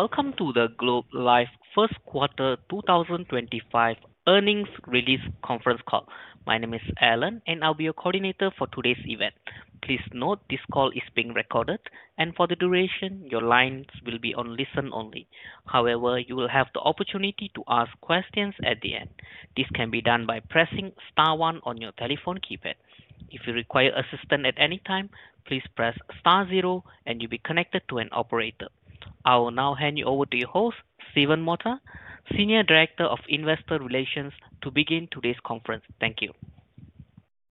Welcome to the Globe Life first quarter 2025 earnings release conference call. My name is Alan, and I'll be your coordinator for today's event. Please note this call is being recorded, and for the duration, your lines will be on listen only. However, you will have the opportunity to ask questions at the end. This can be done by pressing star one on your telephone keypad. If you require assistance at any time, please press star zero, and you'll be connected to an operator. I will now hand you over to your host, Stephen Mota, Senior Director of Investor Relations, to begin today's conference. Thank you.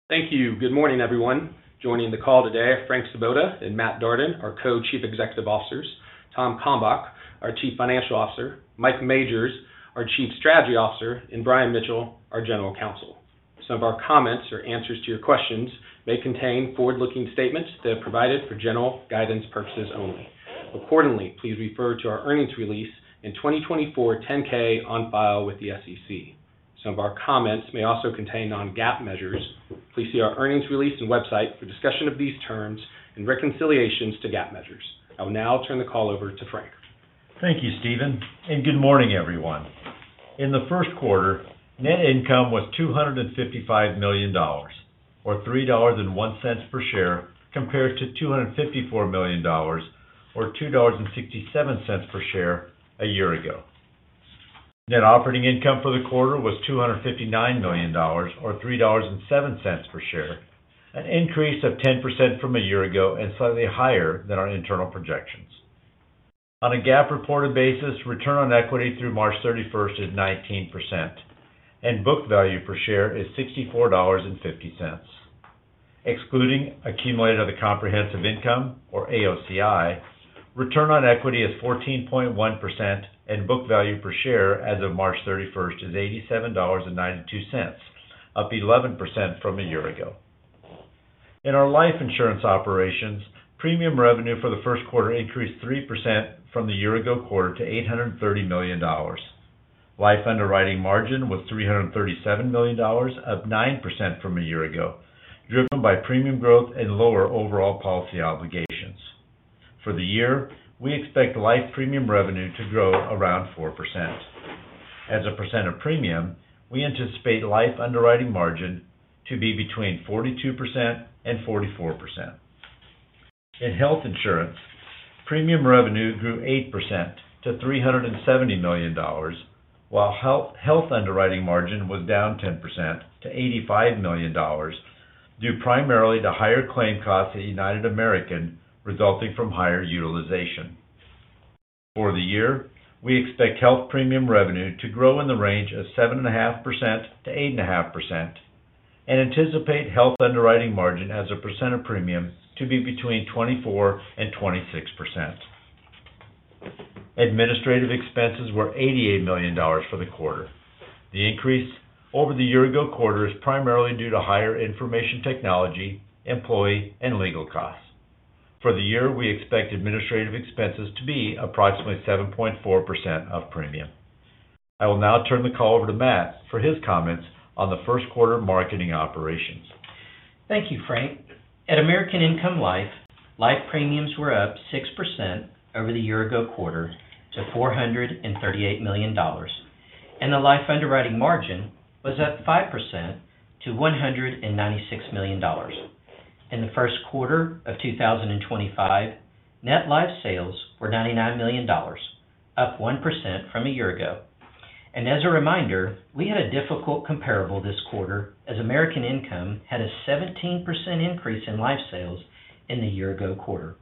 Thank you. Good morning, everyone. Joining the call today, Frank Svoboda and Matt Darden, our Co-Chief Executive Officers, Tom Kalmbach, our Chief Financial Officer, Mike Majors, our Chief Strategy Officer, and Brian Mitchell, our General Counsel. Some of our comments or answers to your questions may contain forward-looking statements that are provided for general guidance purposes only. Accordingly, please refer to our earnings release and 2024 10-K on file with the SEC. Some of our comments may also contain non-GAAP measures. Please see our earnings release and website for discussion of these terms and reconciliations to GAAP measures. I will now turn the call over to Frank. Thank you, Stephen, and good morning, everyone. In the first quarter, net income was $255 million, or $3.01 per share, compared to $254 million, or $2.67 per share, a year ago. Net operating income for the quarter was $259 million, or $3.07 per share, an increase of 10% from a year ago and slightly higher than our internal projections. On a GAAP reported basis, return on equity through March 31 is 19%, and book value per share is $64.50. Excluding accumulated other comprehensive income, or AOCI, return on equity is 14.1%, and book value per share as of March 31 is $87.92, up 11% from a year ago. In our life insurance operations, premium revenue for the first quarter increased 3% from the year-ago quarter to $830 million. Life underwriting margin was $337 million, up 9% from a year ago, driven by premium growth and lower overall policy obligations. For the year, we expect life premium revenue to grow around 4%. As a percent of premium, we anticipate life underwriting margin to be between 42% and 44%. In health insurance, premium revenue grew 8% to $370 million, while health underwriting margin was down 10% to $85 million due primarily to higher claim costs in the United American resulting from higher utilization. For the year, we expect health premium revenue to grow in the range of 7.5%-8.5% and anticipate health underwriting margin as a percent of premium to be between 24% and 26%. Administrative expenses were $88 million for the quarter. The increase over the year-ago quarter is primarily due to higher information technology, employee, and legal costs. For the year, we expect administrative expenses to be approximately 7.4% of premium. I will now turn the call over to Matt for his comments on the first quarter marketing operations. Thank you, Frank. At American Income Life, life premiums were up 6% over the year-ago quarter to $438 million, and the life underwriting margin was up 5% to $196 million. In the first quarter of 2025, net live sales were $99 million, up 1% from a year ago. As a reminder, we had a difficult comparable this quarter as American Income had a 17% increase in live sales in the year-ago quarter.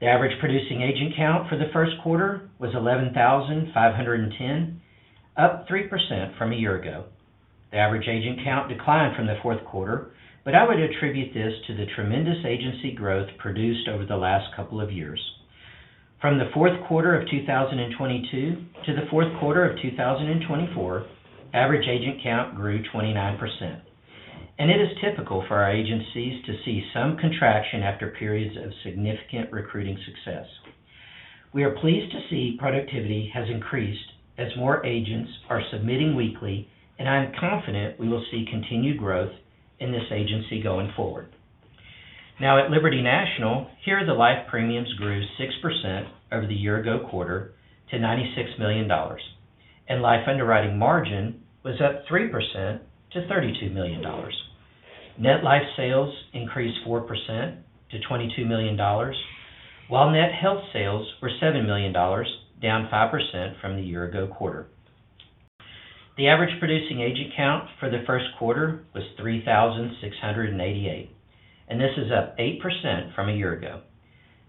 The average producing agent count for the first quarter was 11,510, up 3% from a year ago. The average agent count declined from the fourth quarter, but I would attribute this to the tremendous agency growth produced over the last couple of years. From the fourth quarter of 2022 to the fourth quarter of 2024, average agent count grew 29%. It is typical for our agencies to see some contraction after periods of significant recruiting success. We are pleased to see productivity has increased as more agents are submitting weekly, and I'm confident we will see continued growth in this agency going forward. Now, at Liberty National, here the life premiums grew 6% over the year-ago quarter to $96 million, and life underwriting margin was up 3% to $32 million. Net life sales increased 4% to $22 million, while net health sales were $7 million, down 5% from the year-ago quarter. The average producing agent count for the first quarter was 3,688, and this is up 8% from a year ago.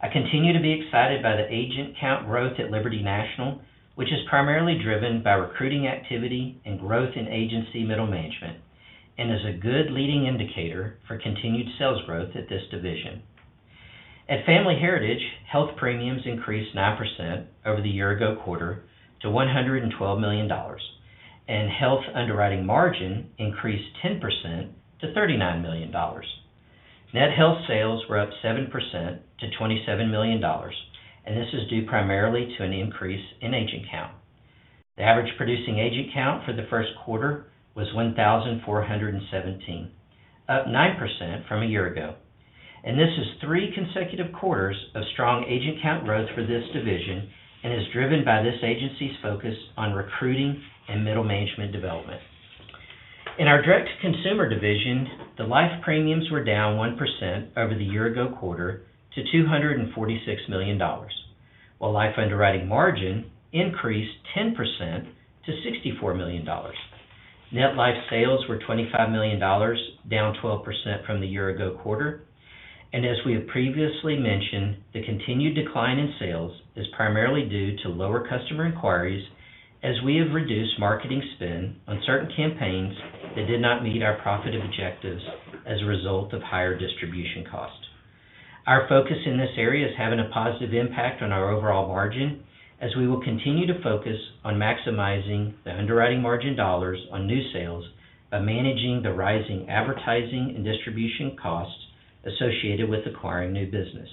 I continue to be excited by the agent count growth at Liberty National, which is primarily driven by recruiting activity and growth in agency middle management, and is a good leading indicator for continued sales growth at this division. At Family Heritage, health premiums increased 9% over the year-ago quarter to $112 million, and health underwriting margin increased 10% to $39 million. Net health sales were up 7% to $27 million, and this is due primarily to an increase in agent count. The average producing agent count for the first quarter was 1,417, up 9% from a year ago. This is three consecutive quarters of strong agent count growth for this division and is driven by this agency's focus on recruiting and middle management development. In our direct-to-consumer division, the life premiums were down 1% over the year-ago quarter to $246 million, while life underwriting margin increased 10% to $64 million. Net live sales were $25 million, down 12% from the year-ago quarter. As we have previously mentioned, the continued decline in sales is primarily due to lower customer inquiries as we have reduced marketing spend on certain campaigns that did not meet our profit objectives as a result of higher distribution cost. Our focus in this area is having a positive impact on our overall margin as we will continue to focus on maximizing the underwriting margin dollars on new sales by managing the rising advertising and distribution costs associated with acquiring new business.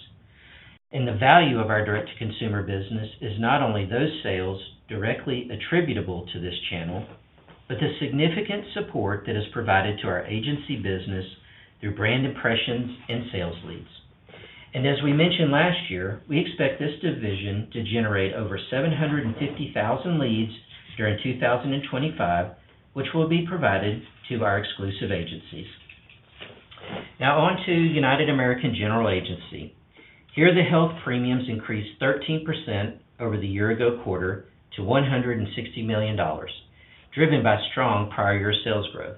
The value of our direct-to-consumer business is not only those sales directly attributable to this channel, but the significant support that is provided to our agency business through brand impressions and sales leads. As we mentioned last year, we expect this division to generate over 750,000 leads during 2025, which will be provided to our exclusive agencies. Now, on to United American General Agency. Here the health premiums increased 13% over the year-ago quarter to $160 million, driven by strong prior-year sales growth.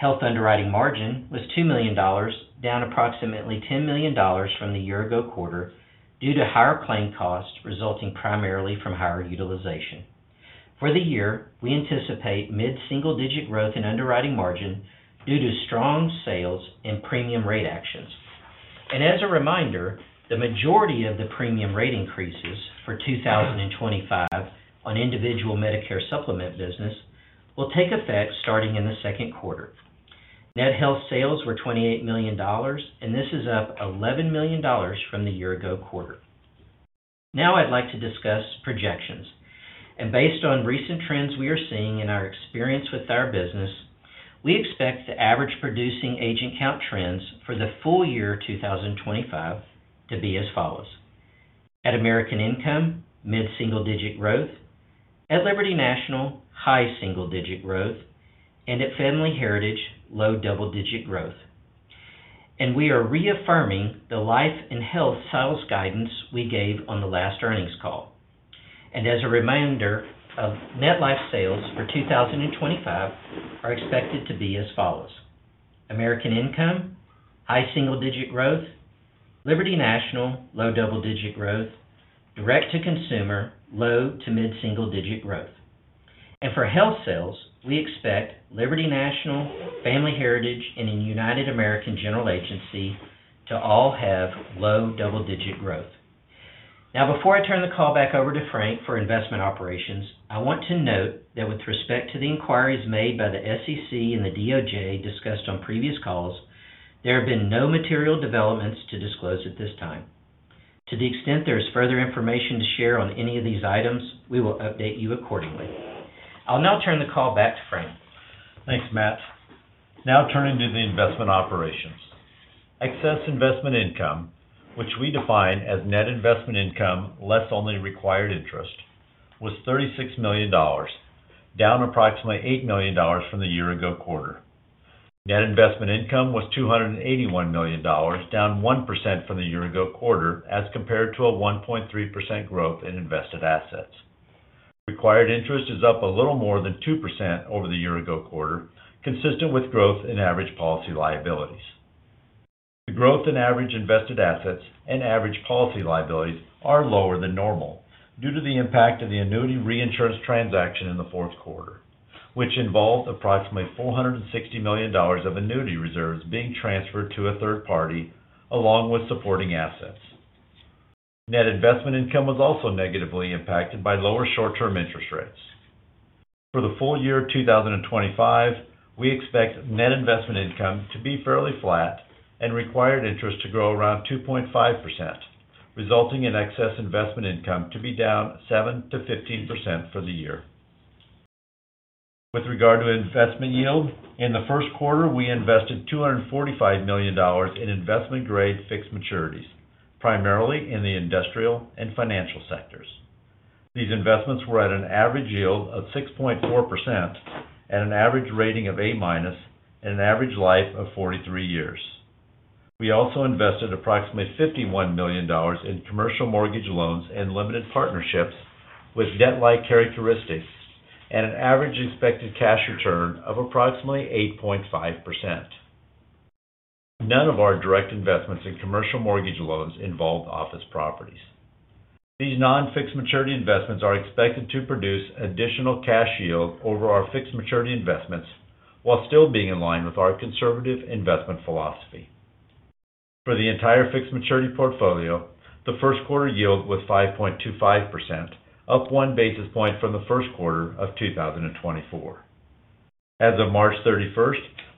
Health underwriting margin was $2 million, down approximately $10 million from the year-ago quarter due to higher claim costs resulting primarily from higher utilization. For the year, we anticipate mid-single-digit growth in underwriting margin due to strong sales and premium rate actions. As a reminder, the majority of the premium rate increases for 2025 on individual Medicare Supplement business will take effect starting in the second quarter. Net health sales were $28 million, and this is up $11 million from the year-ago quarter. Now, I'd like to discuss projections. Based on recent trends we are seeing in our experience with our business, we expect the average producing agent count trends for the full year 2025 to be as follows: at American Income, mid-single-digit growth; at Liberty National, high single-digit growth; and at Family Heritage, low double-digit growth. We are reaffirming the life and health sales guidance we gave on the last earnings call. As a reminder, net life sales for 2025 are expected to be as follows: American Income, high single-digit growth; Liberty National, low double-digit growth; direct-to-consumer, low to mid-single-digit growth. For health sales, we expect Liberty National, Family Heritage, and United American General Agency to all have low double-digit growth. Now, before I turn the call back over to Frank for investment operations, I want to note that with respect to the inquiries made by the SEC and the DOJ discussed on previous calls, there have been no material developments to disclose at this time. To the extent there is further information to share on any of these items, we will update you accordingly. I'll now turn the call back to Frank. Thanks, Matt. Now, turning to the investment operations. Excess investment income, which we define as net investment income less only required interest, was $36 million, down approximately $8 million from the year-ago quarter. Net investment income was $281 million, down 1% from the year-ago quarter as compared to a 1.3% growth in invested assets. Required interest is up a little more than 2% over the year-ago quarter, consistent with growth in average policy liabilities. The growth in average invested assets and average policy liabilities are lower than normal due to the impact of the annuity reinsurance transaction in the fourth quarter, which involved approximately $460 million of annuity reserves being transferred to a third party along with supporting assets. Net investment income was also negatively impacted by lower short-term interest rates. For the full year 2025, we expect net investment income to be fairly flat and required interest to grow around 2.5%, resulting in excess investment income to be down 7%-15% for the year. With regard to investment yield, in the first quarter, we invested $245 million in investment-grade fixed maturities, primarily in the industrial and financial sectors. These investments were at an average yield of 6.4%, at an average rating of A-minus, and an average life of 43 years. We also invested approximately $51 million in commercial mortgage loans and limited partnerships with debt-like characteristics, and an average expected cash return of approximately 8.5%. None of our direct investments in commercial mortgage loans involved office properties. These non-fixed maturity investments are expected to produce additional cash yield over our fixed maturity investments while still being in line with our conservative investment philosophy. For the entire fixed maturity portfolio, the first quarter yield was 5.25%, up one basis point from the first quarter of 2024. As of March 31,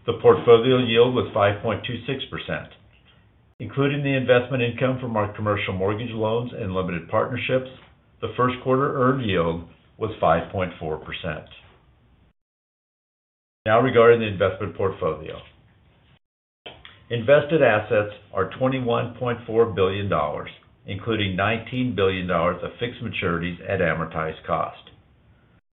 the portfolio yield was 5.26%. Including the investment income from our commercial mortgage loans and limited partnerships, the first quarter earned yield was 5.4%. Now, regarding the investment portfolio. Invested assets are $21.4 billion, including $19 billion of fixed maturities at amortized cost.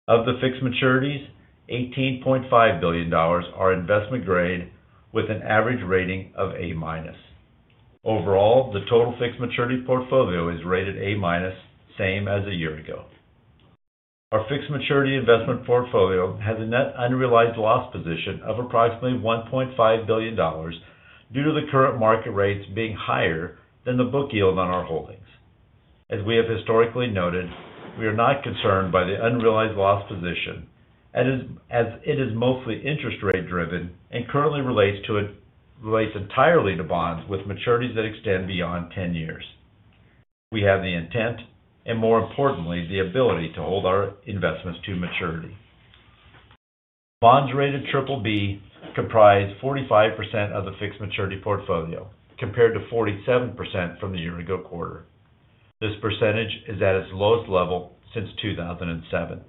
Of the fixed maturities, $18.5 billion are investment-grade with an average rating of A-minus. Overall, the total fixed maturity portfolio is rated A-minus, same as a year ago. Our fixed maturity investment portfolio has a net unrealized loss position of approximately $1.5 billion due to the current market rates being higher than the book yield on our holdings. As we have historically noted, we are not concerned by the unrealized loss position as it is mostly interest rate-driven and currently relates entirely to bonds with maturities that extend beyond 10 years. We have the intent and, more importantly, the ability to hold our investments to maturity. Bonds rated BBB comprise 45% of the fixed maturity portfolio, compared to 47% from the year-ago quarter. This percentage is at its lowest level since 2007.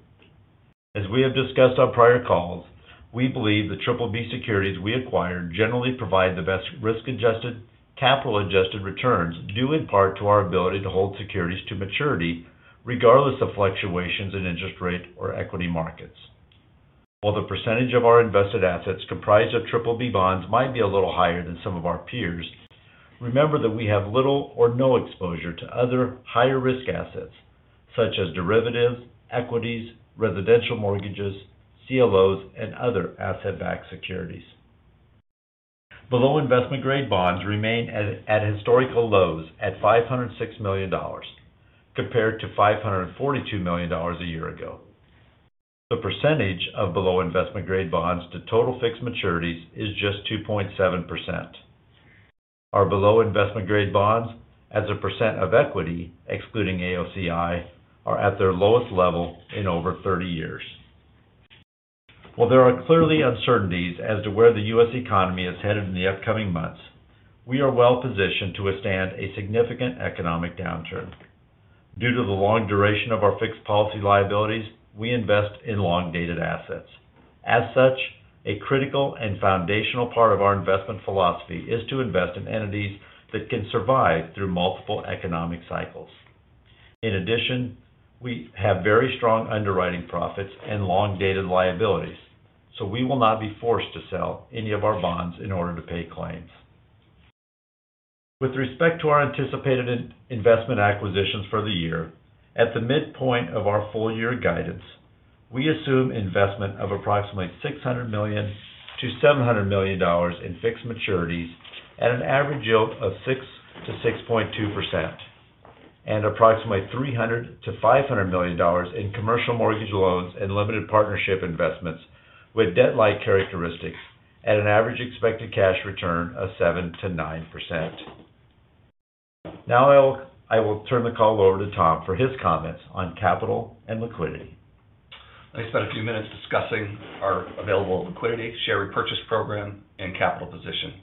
As we have discussed on prior calls, we believe the BBB securities we acquired generally provide the best risk-adjusted, capital-adjusted returns due in part to our ability to hold securities to maturity regardless of fluctuations in interest rate or equity markets. While the percentage of our invested assets comprised of BBB bonds might be a little higher than some of our peers, remember that we have little or no exposure to other higher-risk assets such as derivatives, equities, residential mortgages, CLOs, and other asset-backed securities. Below investment-grade bonds remain at historical lows at $506 million, compared to $542 million a year ago. The percentage of below investment-grade bonds to total fixed maturities is just 2.7%. Our below investment-grade bonds, as a percent of equity, excluding AOCI, are at their lowest level in over 30 years. While there are clearly uncertainties as to where the U.S. economy is headed in the upcoming months, we are well-positioned to withstand a significant economic downturn. Due to the long duration of our fixed policy liabilities, we invest in long-dated assets. As such, a critical and foundational part of our investment philosophy is to invest in entities that can survive through multiple economic cycles. In addition, we have very strong underwriting profits and long-dated liabilities, so we will not be forced to sell any of our bonds in order to pay claims. With respect to our anticipated investment acquisitions for the year, at the midpoint of our full-year guidance, we assume investment of approximately $600 million-$700 million in fixed maturities at an average yield of 6%-6.2%, and approximately $300 million-$500 million in commercial mortgage loans and limited partnership investments with debt-like characteristics at an average expected cash return of 7%-9%. Now, I will turn the call over to Tom for his comments on capital and liquidity. I spent a few minutes discussing our available liquidity, share repurchase program, and capital position.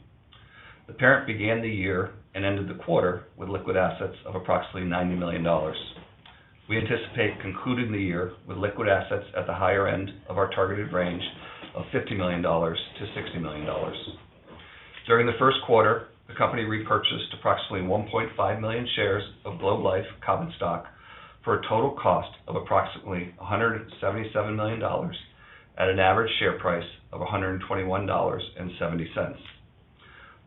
The parent began the year and ended the quarter with liquid assets of approximately $90 million. We anticipate concluding the year with liquid assets at the higher end of our targeted range of $50 million-$60 million. During the first quarter, the company repurchased approximately 1.5 million shares of Globe Life common stock for a total cost of approximately $177 million at an average share price of $121.70.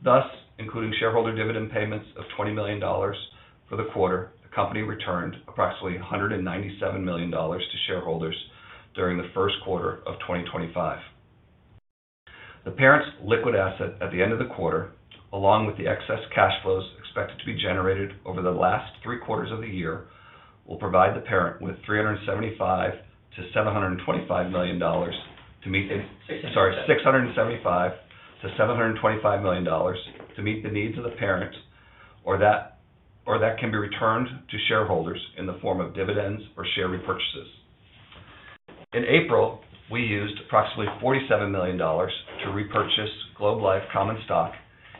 Thus, including shareholder dividend payments of $20 million for the quarter, the company returned approximately $197 million to shareholders during the first quarter of 2025. The parent's liquid asset at the end of the quarter, along with the excess cash flows expected to be generated over the last three quarters of the year, will provide the parent with $675 million-$725 million to meet the needs of the parent, or that can be returned to shareholders in the form of dividends or share repurchases. In April, we used approximately $47 million to repurchase Globe Life Common Stock,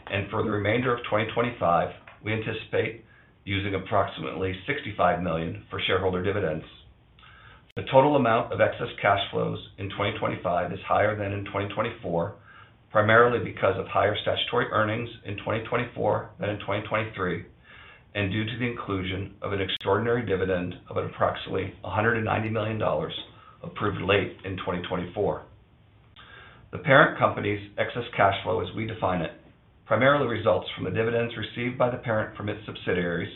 and for the remainder of 2025, we anticipate using approximately $65 million for shareholder dividends. The total amount of excess cash flows in 2025 is higher than in 2024, primarily because of higher statutory earnings in 2024 than in 2023, and due to the inclusion of an extraordinary dividend of approximately $190 million approved late in 2024. The parent company's excess cash flow, as we define it, primarily results from the dividends received by the parent from its subsidiaries,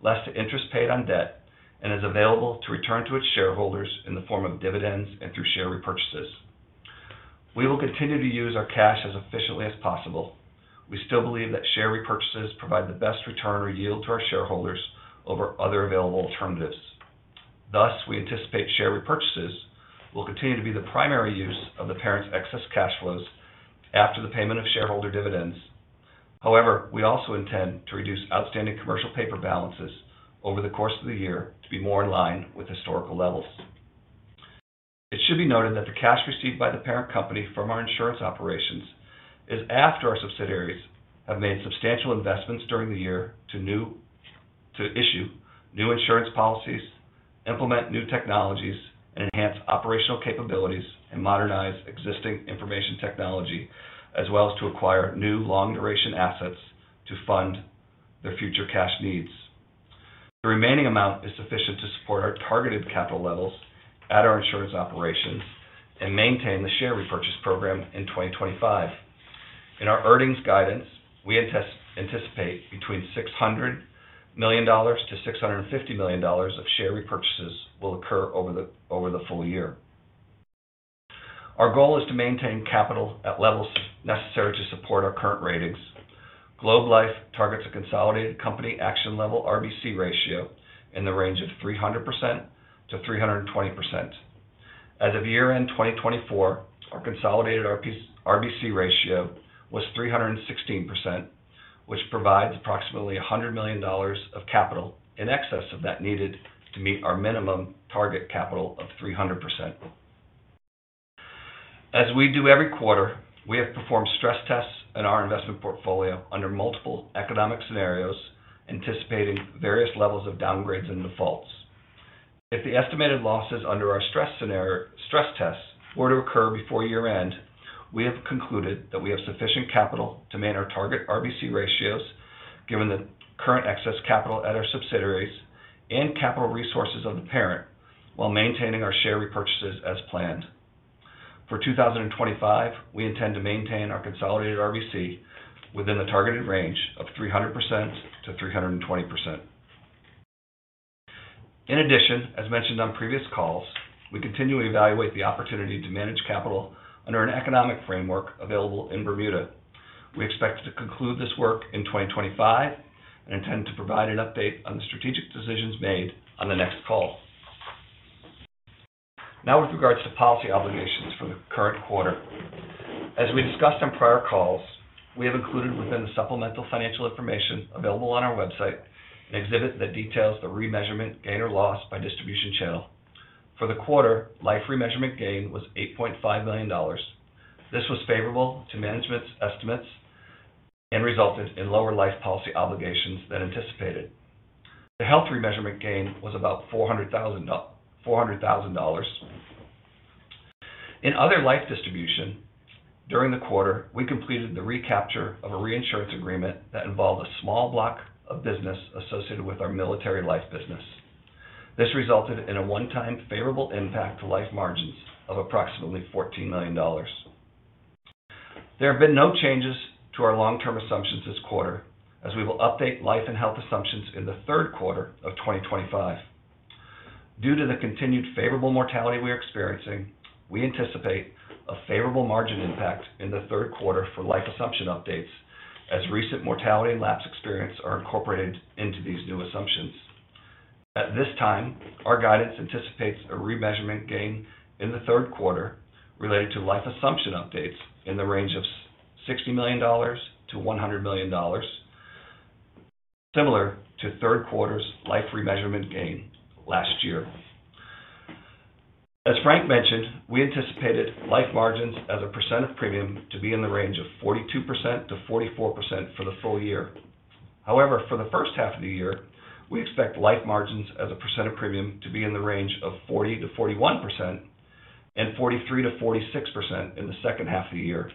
less the interest paid on debt, and is available to return to its shareholders in the form of dividends and through share repurchases. We will continue to use our cash as efficiently as possible. We still believe that share repurchases provide the best return or yield to our shareholders over other available alternatives. Thus, we anticipate share repurchases will continue to be the primary use of the parent's excess cash flows after the payment of shareholder dividends. However, we also intend to reduce outstanding commercial paper balances over the course of the year to be more in line with historical levels. It should be noted that the cash received by the parent company from our insurance operations is after our subsidiaries have made substantial investments during the year to issue new insurance policies, implement new technologies, and enhance operational capabilities and modernize existing information technology, as well as to acquire new long-duration assets to fund their future cash needs. The remaining amount is sufficient to support our targeted capital levels at our insurance operations and maintain the share repurchase program in 2025. In our earnings guidance, we anticipate between $600 million and $650 million of share repurchases will occur over the full year. Our goal is to maintain capital at levels necessary to support our current ratings. Globe Life targets a consolidated company action level RBC ratio in the range of 300%-320%. As of year-end 2024, our consolidated RBC ratio was 316%, which provides approximately $100 million of capital in excess of that needed to meet our minimum target capital of 300%. As we do every quarter, we have performed stress tests in our investment portfolio under multiple economic scenarios, anticipating various levels of downgrades and defaults. If the estimated losses under our stress tests were to occur before year-end, we have concluded that we have sufficient capital to maintain our target RBC ratios, given the current excess capital at our subsidiaries and capital resources of the parent, while maintaining our share repurchases as planned. For 2025, we intend to maintain our consolidated RBC within the targeted range of 300%-320%. In addition, as mentioned on previous calls, we continue to evaluate the opportunity to manage capital under an economic framework available in Bermuda. We expect to conclude this work in 2025 and intend to provide an update on the strategic decisions made on the next call. Now, with regards to policy obligations for the current quarter, as we discussed on prior calls, we have included within the supplemental financial information available on our website an exhibit that details the remeasurement gain or loss by distribution channel. For the quarter, life remeasurement gain was $8.5 million. This was favorable to management's estimates and resulted in lower life policy obligations than anticipated. The health remeasurement gain was about $400,000. In other life distribution, during the quarter, we completed the recapture of a reinsurance agreement that involved a small block of business associated with our military life business. This resulted in a one-time favorable impact to life margins of approximately $14 million. There have been no changes to our long-term assumptions this quarter, as we will update life and health assumptions in the third quarter of 2025. Due to the continued favorable mortality we are experiencing, we anticipate a favorable margin impact in the third quarter for life assumption updates, as recent mortality and lapse experience are incorporated into these new assumptions. At this time, our guidance anticipates a remeasurement gain in the third quarter related to life assumption updates in the range of $60 million-$100 million, similar to third quarter's life remeasurement gain last year. As Frank mentioned, we anticipated life margins as a percent of premium to be in the range of 42%-44% for the full year. However, for the first half of the year, we expect life margins as a percent of premium to be in the range of 40%-41% and 43%-46% in the second half of the year,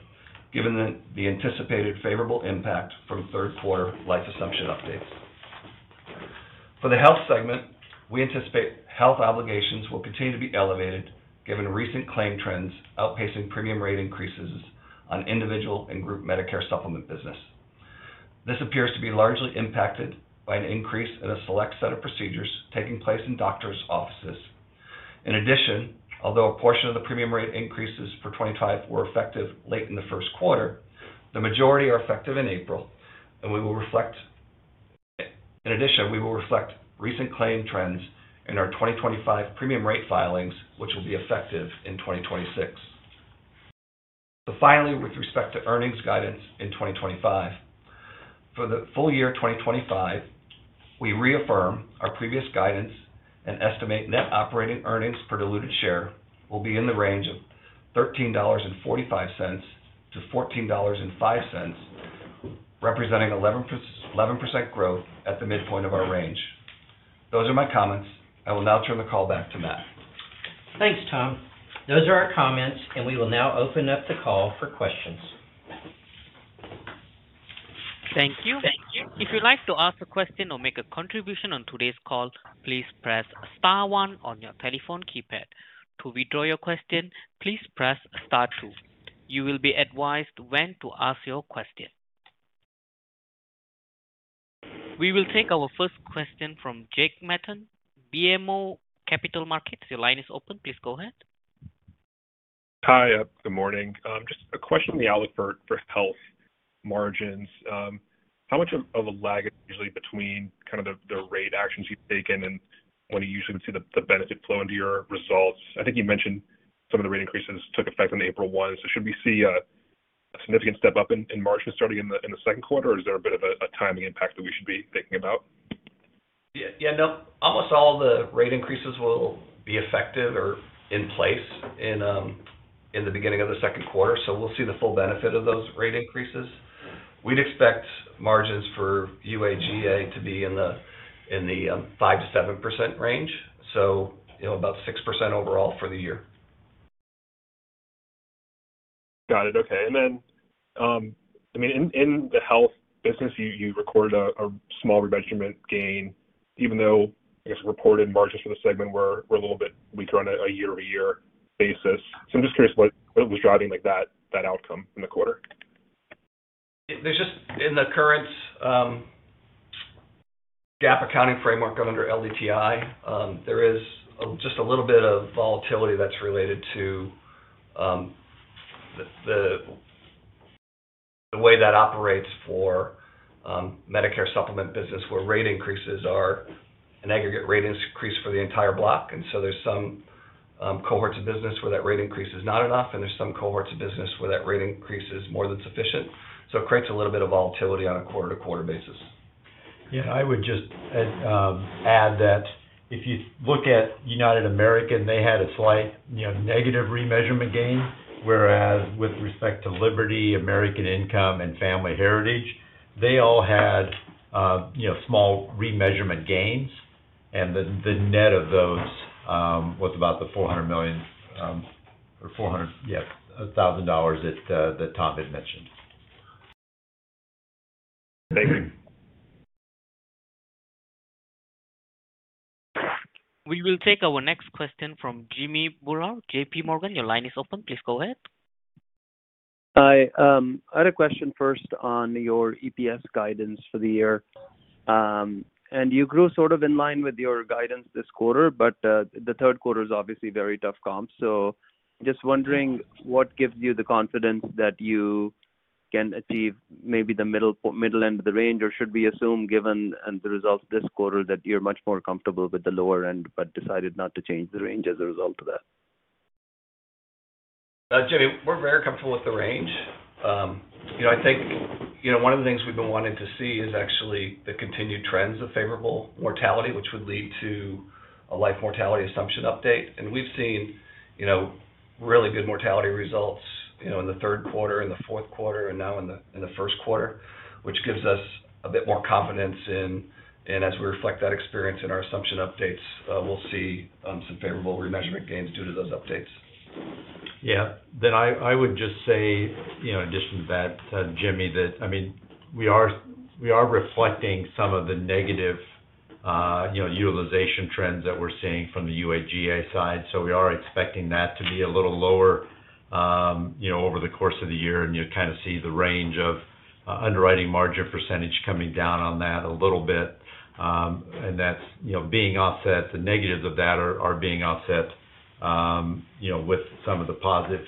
given the anticipated favorable impact from third quarter life assumption updates. For the health segment, we anticipate health obligations will continue to be elevated, given recent claim trends outpacing premium rate increases on individual and group Medicare Supplement business. This appears to be largely impacted by an increase in a select set of procedures taking place in doctors' offices. In addition, although a portion of the premium rate increases for 2025 were effective late in the first quarter, the majority are effective in April, and we will reflect, in addition, we will reflect recent claim trends in our 2025 premium rate filings, which will be effective in 2026. Finally, with respect to earnings guidance in 2025, for the full year 2025, we reaffirm our previous guidance and estimate net operating earnings per diluted share will be in the range of $13.45-$14.05, representing 11% growth at the midpoint of our range. Those are my comments. I will now turn the call back to Matt. Thanks, Tom. Those are our comments, and we will now open up the call for questions. Thank you. If you'd like to ask a question or make a contribution on today's call, please press star one on your telephone keypad. To withdraw your question, please press star two. You will be advised when to ask your question. We will take our first question from Jack Matten, BMO Capital Markets. Your line is open. Please go ahead. Hi, good morning. Just a question on the outlook for health margins. How much of a lag is usually between kind of the rate actions you've taken and when you usually would see the benefit flow into your results? I think you mentioned some of the rate increases took effect on April 1, so should we see a significant step up in margins starting in the second quarter, or is there a bit of a timing impact that we should be thinking about? Yeah, no, almost all the rate increases will be effective or in place in the beginning of the second quarter, so we'll see the full benefit of those rate increases. We'd expect margins for United American to be in the 5%-7% range, so about 6% overall for the year. Got it. Okay. I mean, in the health business, you recorded a small remeasurement gain, even though, I guess, reported margins for the segment were a little bit weaker on a year-over-year basis. I'm just curious what was driving that outcome in the quarter. There's just, in the current GAAP accounting framework under LDTI, there is just a little bit of volatility that's related to the way that operates for Medicare Supplement business, where rate increases are an aggregate rate increase for the entire block. There are some cohorts of business where that rate increase is not enough, and there are some cohorts of business where that rate increase is more than sufficient. It creates a little bit of volatility on a quarter-to-quarter basis. Yeah, I would just add that if you look at United American, they had a slight negative remeasurement gain, whereas with respect to Liberty, American Income, and Family Heritage, they all had small remeasurement gains, and the net of those was about the $400 million or $1,000 that Tom had mentioned. Thank you. We will take our next question from Jimmy Bhullar, JPMorgan. Your line is open. Please go ahead. Hi. I had a question first on your EPS guidance for the year. You grew sort of in line with your guidance this quarter, but the third quarter is obviously very tough comp. Just wondering what gives you the confidence that you can achieve maybe the middle end of the range, or should we assume, given the results this quarter, that you're much more comfortable with the lower end but decided not to change the range as a result of that? Jimmy, we're very comfortable with the range. I think one of the things we've been wanting to see is actually the continued trends of favorable mortality, which would lead to a life mortality assumption update. We've seen really good mortality results in the third quarter, in the fourth quarter, and now in the first quarter, which gives us a bit more confidence. As we reflect that experience in our assumption updates, we'll see some favorable remeasurement gains due to those updates. Yeah. I would just say, in addition to that, Jimmy, that, I mean, we are reflecting some of the negative utilization trends that we're seeing from the United American side. We are expecting that to be a little lower over the course of the year, and you kind of see the range of underwriting margin percentage coming down on that a little bit. That is being offset. The negatives of that are being offset with some of the positive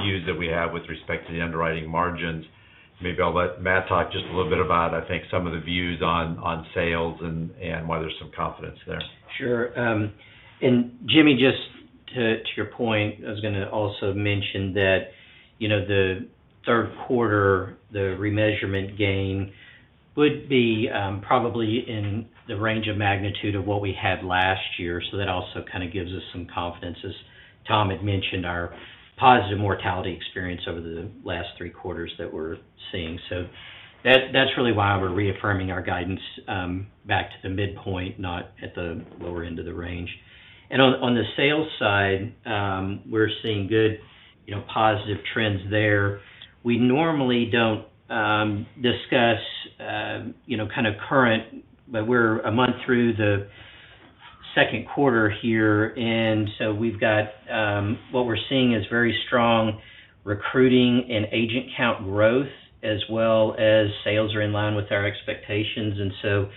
views that we have with respect to the underwriting margins. Maybe I'll let Matt talk just a little bit about, I think, some of the views on sales and why there's some confidence there. Sure. Jimmy, just to your point, I was going to also mention that the third quarter, the remeasurement gain would be probably in the range of magnitude of what we had last year. That also kind of gives us some confidence, as Tom had mentioned, our positive mortality experience over the last three quarters that we're seeing. That is really why we're reaffirming our guidance back to the midpoint, not at the lower end of the range. On the sales side, we're seeing good positive trends there. We normally do not discuss kind of current, but we're a month through the second quarter here. What we're seeing is very strong recruiting and agent count growth, as well as sales are in line with our expectations. We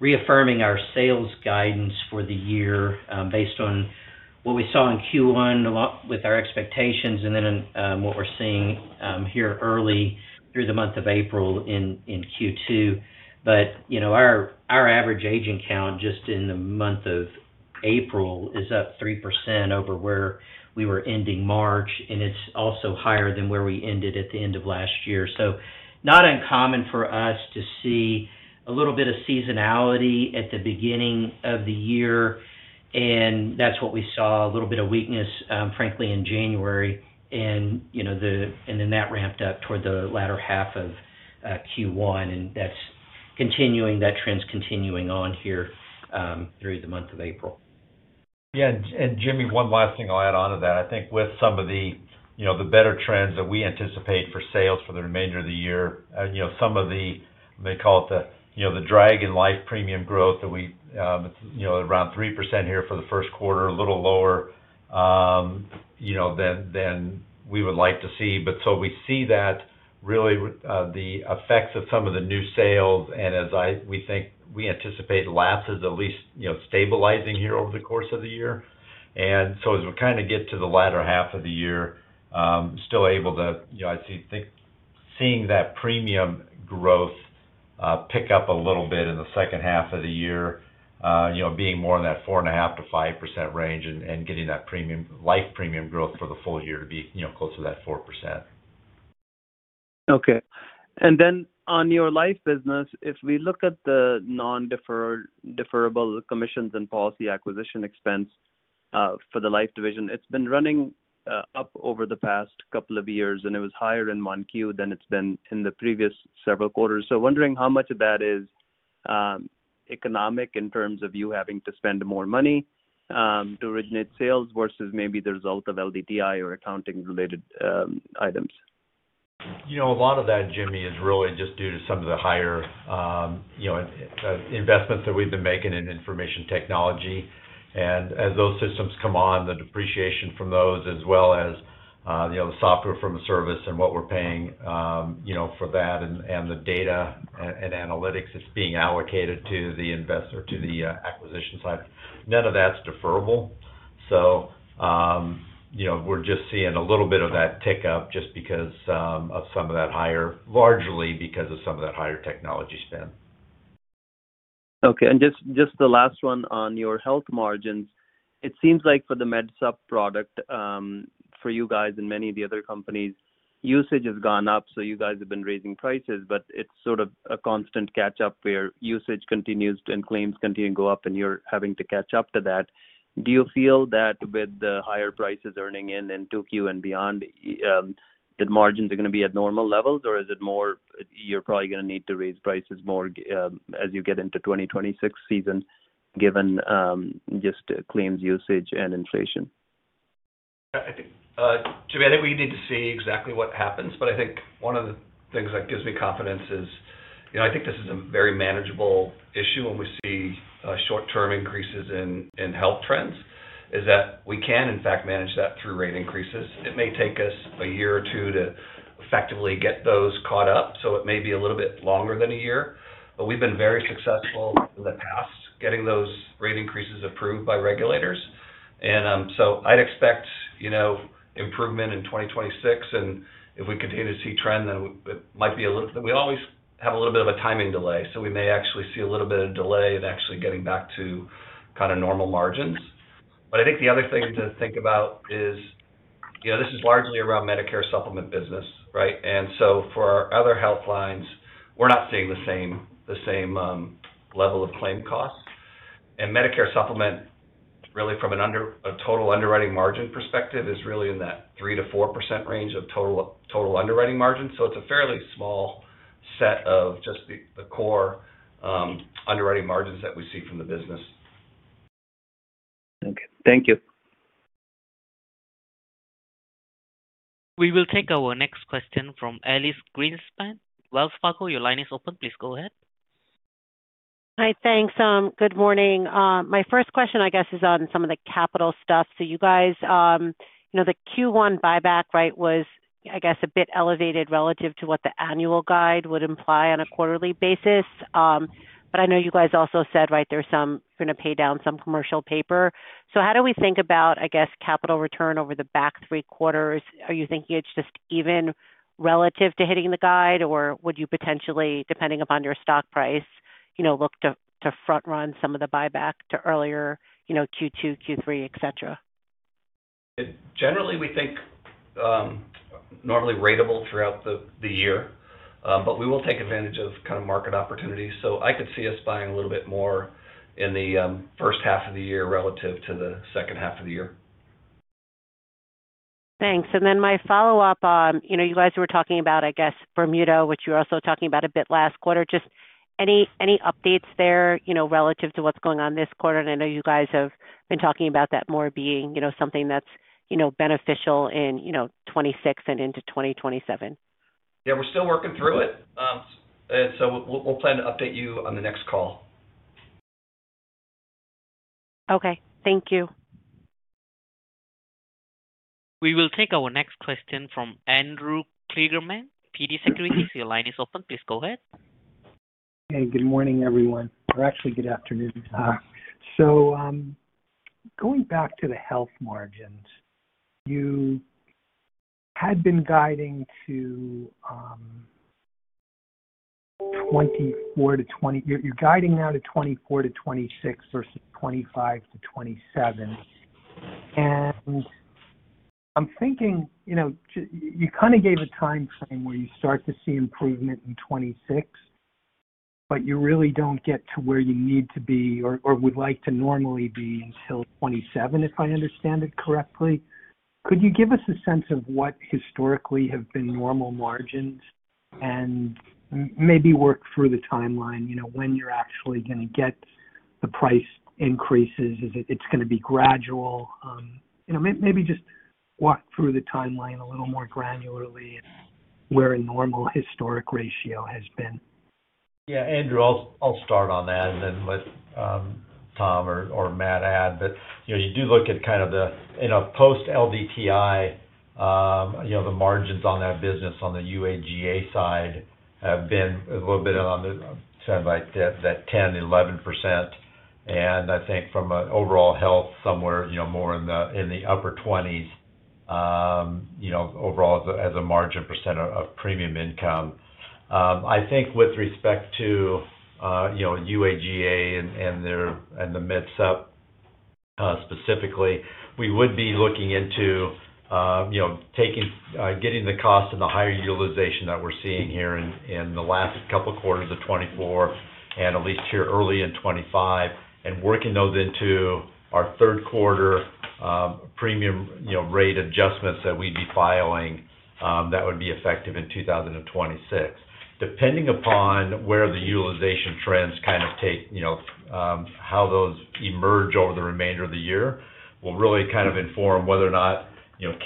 are reaffirming our sales guidance for the year based on what we saw in Q1 with our expectations and then what we are seeing here early through the month of April in Q2. Our average agent count just in the month of April is up 3% over where we were ending March, and it is also higher than where we ended at the end of last year. It is not uncommon for us to see a little bit of seasonality at the beginning of the year. That is what we saw, a little bit of weakness, frankly, in January. That ramped up toward the latter half of Q1, and that trend is continuing on here through the month of April. Yeah. Jimmy, one last thing I'll add on to that. I think with some of the better trends that we anticipate for sales for the remainder of the year, some of the, they call it the drag in life premium growth that we are around 3% here for the first quarter, a little lower than we would like to see. We see that really the effects of some of the new sales, and as we think we anticipate lapses at least stabilizing here over the course of the year. As we kind of get to the latter half of the year, still able to, I see seeing that premium growth pick up a little bit in the second half of the year, being more in that 4.5%-5% range and getting that life premium growth for the full year to be close to that 4%. Okay. On your life business, if we look at the non-deferable commissions and policy acquisition expense for the life division, it's been running up over the past couple of years, and it was higher in month Q than it's been in the previous several quarters. Wondering how much of that is economic in terms of you having to spend more money to originate sales versus maybe the result of LDTI or accounting-related items. A lot of that, Jimmy, is really just due to some of the higher investments that we've been making in information technology. As those systems come on, the depreciation from those, as well as the software from the service and what we're paying for that and the data and analytics that's being allocated to the acquisition side, none of that's deferable. We're just seeing a little bit of that tick up just because of some of that higher, largely because of some of that higher technology spend. Okay. Just the last one on your health margins. It seems like for the MedSup product, for you guys and many of the other companies, usage has gone up, so you guys have been raising prices, but it's sort of a constant catch-up where usage continues and claims continue to go up, and you're having to catch up to that. Do you feel that with the higher prices earning in in 2Q and beyond, the margins are going to be at normal levels, or is it more you're probably going to need to raise prices more as you get into 2026 season, given just claims usage and inflation? Jimmy, I think we need to see exactly what happens, but I think one of the things that gives me confidence is I think this is a very manageable issue when we see short-term increases in health trends, is that we can, in fact, manage that through rate increases. It may take us a year or two to effectively get those caught up, so it may be a little bit longer than a year. We have been very successful in the past getting those rate increases approved by regulators. I would expect improvement in 2026, and if we continue to see trend, then it might be a little we always have a little bit of a timing delay, so we may actually see a little bit of delay in actually getting back to kind of normal margins. I think the other thing to think about is this is largely around Medicare Supplement business, right? For our other health lines, we're not seeing the same level of claim costs. Medicare Supplement, really from a total underwriting margin perspective, is really in that 3%-4% range of total underwriting margins. It is a fairly small set of just the core underwriting margins that we see from the business. Okay. Thank you. We will take our next question from Elyse Greenspan, Wells Fargo. Your line is open. Please go ahead. Hi, thanks. Good morning. My first question, I guess, is on some of the capital stuff. You guys, the Q1 buyback rate was, I guess, a bit elevated relative to what the annual guide would imply on a quarterly basis. I know you guys also said, right, you're going to pay down some commercial paper. How do we think about, I guess, capital return over the back three quarters? Are you thinking it's just even relative to hitting the guide, or would you potentially, depending upon your stock price, look to front-run some of the buyback to earlier Q2, Q3, etc.? Generally, we think normally ratable throughout the year, but we will take advantage of kind of market opportunities. I could see us buying a little bit more in the first half of the year relative to the second half of the year. Thanks. My follow-up on you guys were talking about, I guess, Bermuda, which you were also talking about a bit last quarter. Just any updates there relative to what's going on this quarter? I know you guys have been talking about that more being something that's beneficial in 2026 and into 2027. Yeah, we're still working through it. We'll plan to update you on the next call. Okay. Thank you. We will take our next question from Andrew Kligerman, KBW. His line is open. Please go ahead. Hey, good morning, everyone. Or actually, good afternoon. Going back to the health margins, you had been guiding to 2024-2020. You're guiding now to 2024-2026 versus 2025-2027. I'm thinking you kind of gave a timeframe where you start to see improvement in 2026, but you really don't get to where you need to be or would like to normally be until 2027, if I understand it correctly. Could you give us a sense of what historically have been normal margins and maybe work through the timeline when you're actually going to get the price increases? Is it going to be gradual? Maybe just walk through the timeline a little more granularly and where a normal historic ratio has been. Yeah. Andrew, I'll start on that and then let Tom or Matt add. You do look at kind of the post-LDTI, the margins on that business on the UAGA side have been a little bit on the, sounds like, that 10-11%. I think from an overall health, somewhere more in the upper 20s overall as a margin percentage of premium income. I think with respect to UAGA and the MedSup specifically, we would be looking into getting the cost and the higher utilization that we're seeing here in the last couple of quarters of 2024 and at least here early in 2025, and working those into our third quarter premium rate adjustments that we'd be filing that would be effective in 2026. Depending upon where the utilization trends kind of take, how those emerge over the remainder of the year, will really kind of inform whether or not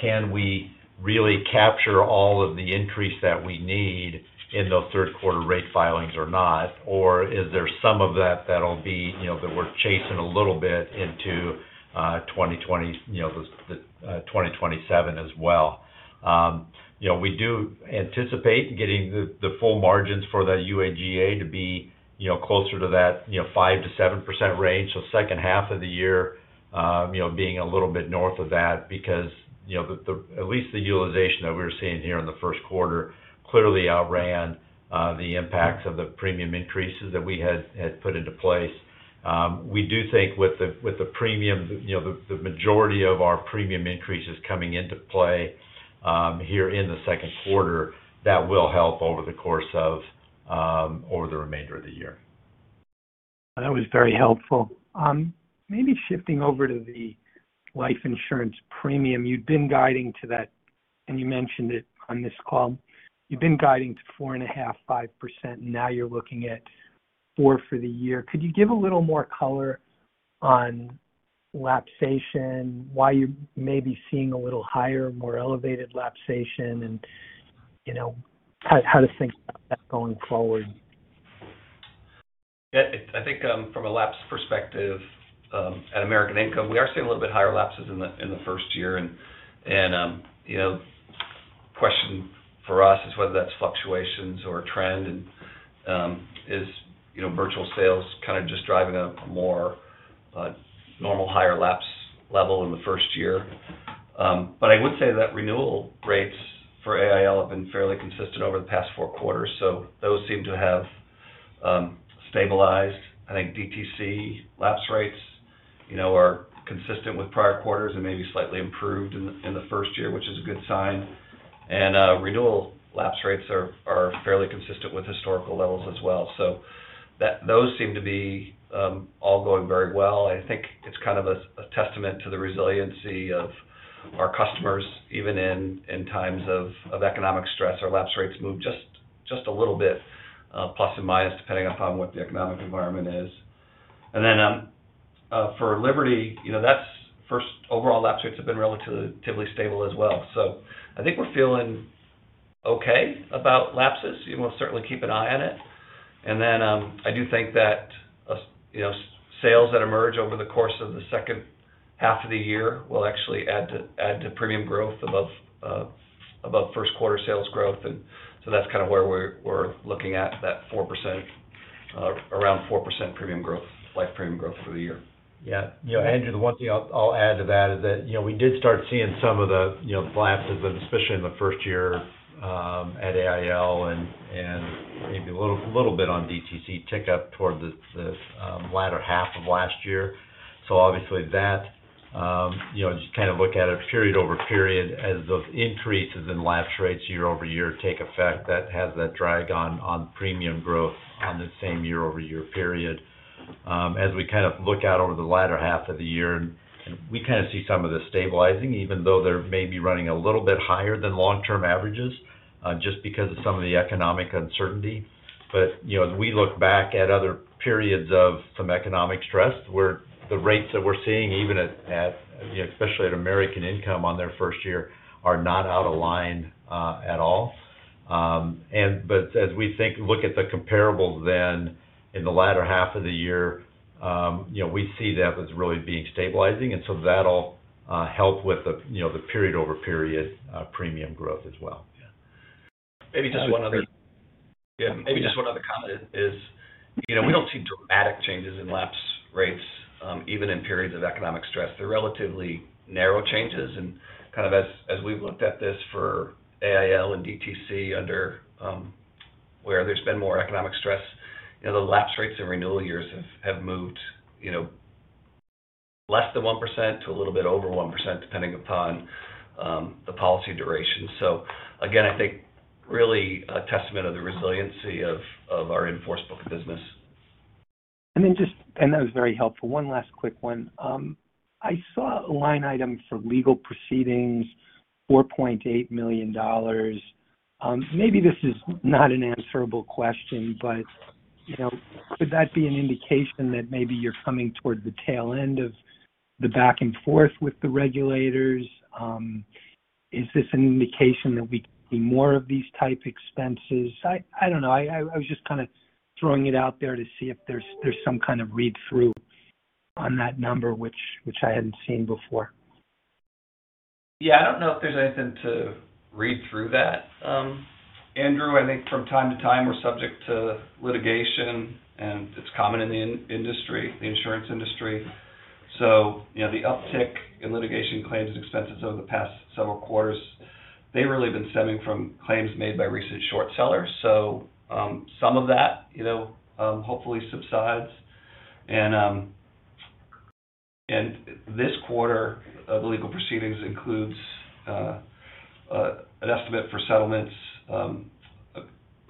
can we really capture all of the increase that we need in those third quarter rate filings or not, or is there some of that that'll be that we're chasing a little bit into 2027 as well. We do anticipate getting the full margins for the UAGA to be closer to that 5%-7% range, so second half of the year being a little bit north of that because at least the utilization that we're seeing here in the first quarter clearly outran the impacts of the premium increases that we had put into place. We do think with the premium, the majority of our premium increases coming into play here in the second quarter, that will help over the course of the remainder of the year. That was very helpful. Maybe shifting over to the life insurance premium, you'd been guiding to that, and you mentioned it on this call. You've been guiding to 4.5%-5%, and now you're looking at 4% for the year. Could you give a little more color on lapsation, why you're maybe seeing a little higher, more elevated lapsation, and how to think about that going forward? Yeah. I think from a lapse perspective at American Income, we are seeing a little bit higher lapses in the first year. The question for us is whether that's fluctuations or a trend, and is virtual sales kind of just driving a more normal higher lapse level in the first year. I would say that renewal rates for American Income have been fairly consistent over the past four quarters, so those seem to have stabilized. I think DTC lapse rates are consistent with prior quarters and maybe slightly improved in the first year, which is a good sign. Renewal lapse rates are fairly consistent with historical levels as well. Those seem to be all going very well. I think it's kind of a testament to the resiliency of our customers, even in times of economic stress, our lapse rates move just a little bit plus and minus depending upon what the economic environment is. For Liberty, first overall lapse rates have been relatively stable as well. I think we're feeling okay about lapses. We'll certainly keep an eye on it. I do think that sales that emerge over the course of the second half of the year will actually add to premium growth above first quarter sales growth. That's kind of where we're looking at that around 4% premium growth, life premium growth over the year. Yeah. Andrew, the one thing I'll add to that is that we did start seeing some of the lapses, but especially in the first year at AIL and maybe a little bit on DTC tick up toward the latter half of last year. Obviously, just kind of look at it period over period as those increases in lapse rates year over year take effect, that has that drag on premium growth on the same year-over-year period. As we kind of look out over the latter half of the year, we kind of see some of the stabilizing, even though they're maybe running a little bit higher than long-term averages just because of some of the economic uncertainty. As we look back at other periods of some economic stress, where the rates that we're seeing, even especially at American Income on their first year, are not out of line at all. As we look at the comparables then in the latter half of the year, we see that as really being stabilizing. That will help with the period-over-period premium growth as well. Maybe just one other comment. Maybe just one other comment is we do not see dramatic changes in lapse rates, even in periods of economic stress. They are relatively narrow changes. Kind of as we've looked at this for AIL and DTC, where there has been more economic stress, the lapse rates in renewal years have moved less than 1% to a little bit over 1%, depending upon the policy duration. I think really a testament of the resiliency of our enforced book of business. That was very helpful. One last quick one. I saw a line item for legal proceedings, $4.8 million. Maybe this is not an answerable question, but could that be an indication that maybe you're coming toward the tail end of the back and forth with the regulators? Is this an indication that we can see more of these type expenses? I don't know. I was just kind of throwing it out there to see if there's some kind of read-through on that number, which I hadn't seen before. Yeah. I don't know if there's anything to read through that. Andrew, I think from time to time, we're subject to litigation, and it's common in the industry, the insurance industry. The uptick in litigation claims and expenses over the past several quarters, they've really been stemming from claims made by recent short sellers. Some of that hopefully subsides. This quarter, the legal proceedings includes an estimate for settlements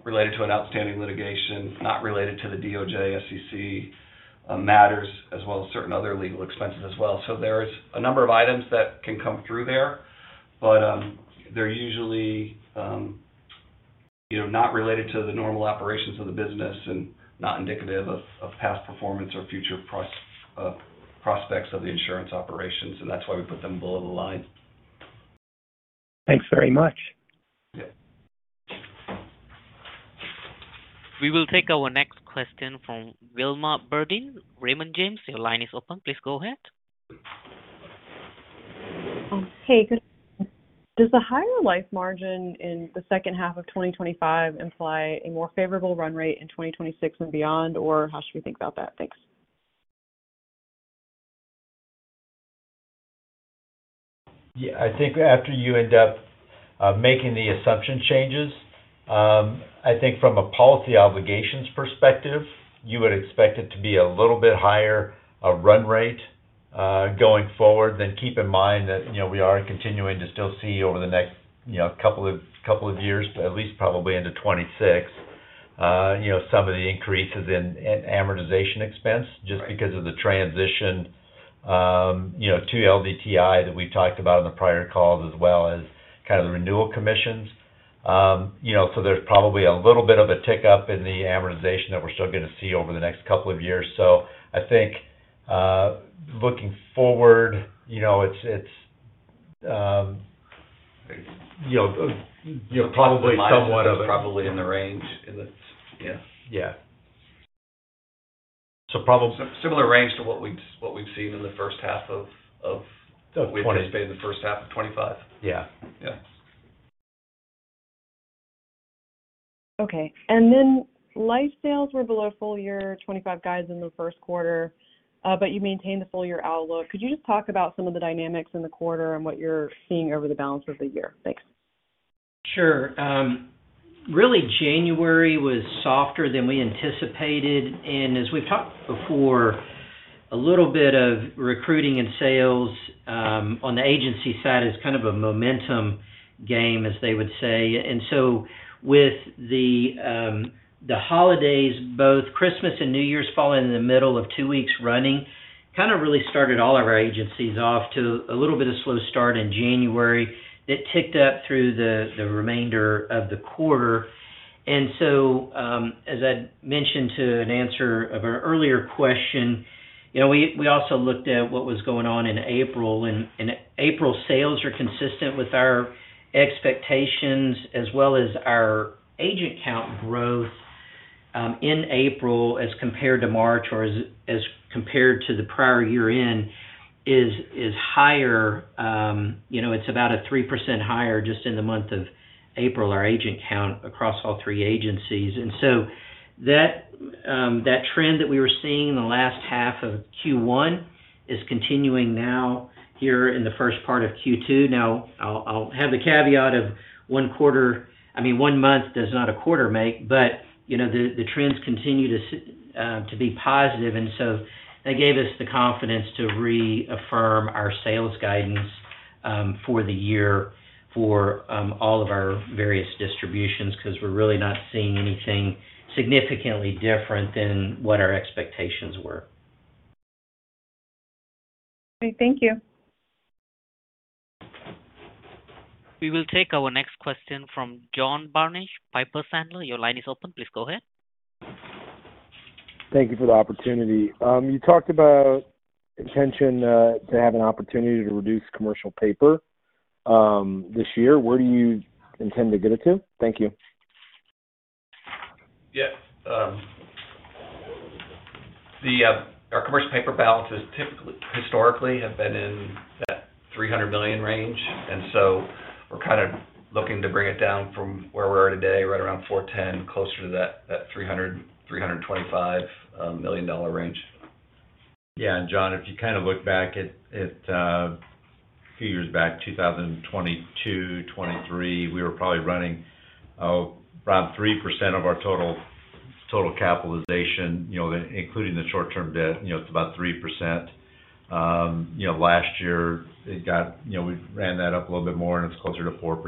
related to an outstanding litigation, not related to the DOJ, SEC matters, as well as certain other legal expenses as well. There are a number of items that can come through there, but they're usually not related to the normal operations of the business and not indicative of past performance or future prospects of the insurance operations. That's why we put them below the line. Thanks very much. We will take our next question from Wilma Burdis, Raymond James. Your line is open. Please go ahead. Hey, good. Does the higher life margin in the second half of 2025 imply a more favorable run rate in 2026 and beyond, or how should we think about that? Thanks. Yeah. I think after you end up making the assumption changes, I think from a policy obligations perspective, you would expect it to be a little bit higher run rate going forward. Keep in mind that we are continuing to still see over the next couple of years, at least probably into 2026, some of the increases in amortization expense just because of the transition to LDTI that we've talked about in the prior calls, as well as kind of the renewal commissions. There is probably a little bit of a tick up in the amortization that we're still going to see over the next couple of years. I think looking forward, it's probably somewhat of. It's probably in the range. Yeah. Yeah. Probably similar range to what we've seen in the first half of 2025. We anticipate in the first half of 2025. Yeah. Okay. Life sales were below full year 2025 guides in the first quarter, but you maintained the full year outlook. Could you just talk about some of the dynamics in the quarter and what you're seeing over the balance of the year? Thanks. Sure. Really, January was softer than we anticipated. As we've talked before, a little bit of recruiting and sales on the agency side is kind of a momentum game, as they would say. With the holidays, both Christmas and New Year's falling in the middle of two weeks running, it really started all of our agencies off to a little bit of a slow start in January that ticked up through the remainder of the quarter. As I mentioned in answer to an earlier question, we also looked at what was going on in April. April sales are consistent with our expectations, as well as our agent count growth in April as compared to March or as compared to the prior year-end is higher. It's about 3% higher just in the month of April, our agent count across all three agencies. That trend that we were seeing in the last half of Q1 is continuing now here in the first part of Q2. I'll have the caveat of one quarter, I mean, one month does not a quarter make, but the trends continue to be positive. That gave us the confidence to reaffirm our sales guidance for the year for all of our various distributions because we're really not seeing anything significantly different than what our expectations were. Okay. Thank you. We will take our next question from John Barnidge, Piper Sandler. Your line is open. Please go ahead. Thank you for the opportunity. You talked about intention to have an opportunity to reduce commercial paper this year. Where do you intend to get it to? Thank you. Yeah. Our commercial paper balances historically have been in that $300 million range. We are kind of looking to bring it down from where we are today, right around $410 million, closer to that $325 million range. Yeah. John, if you kind of look back at a few years back, 2022, 2023, we were probably running around 3% of our total capitalization, including the short-term debt. It is about 3%. Last year, we ran that up a little bit more, and it is closer to 4%.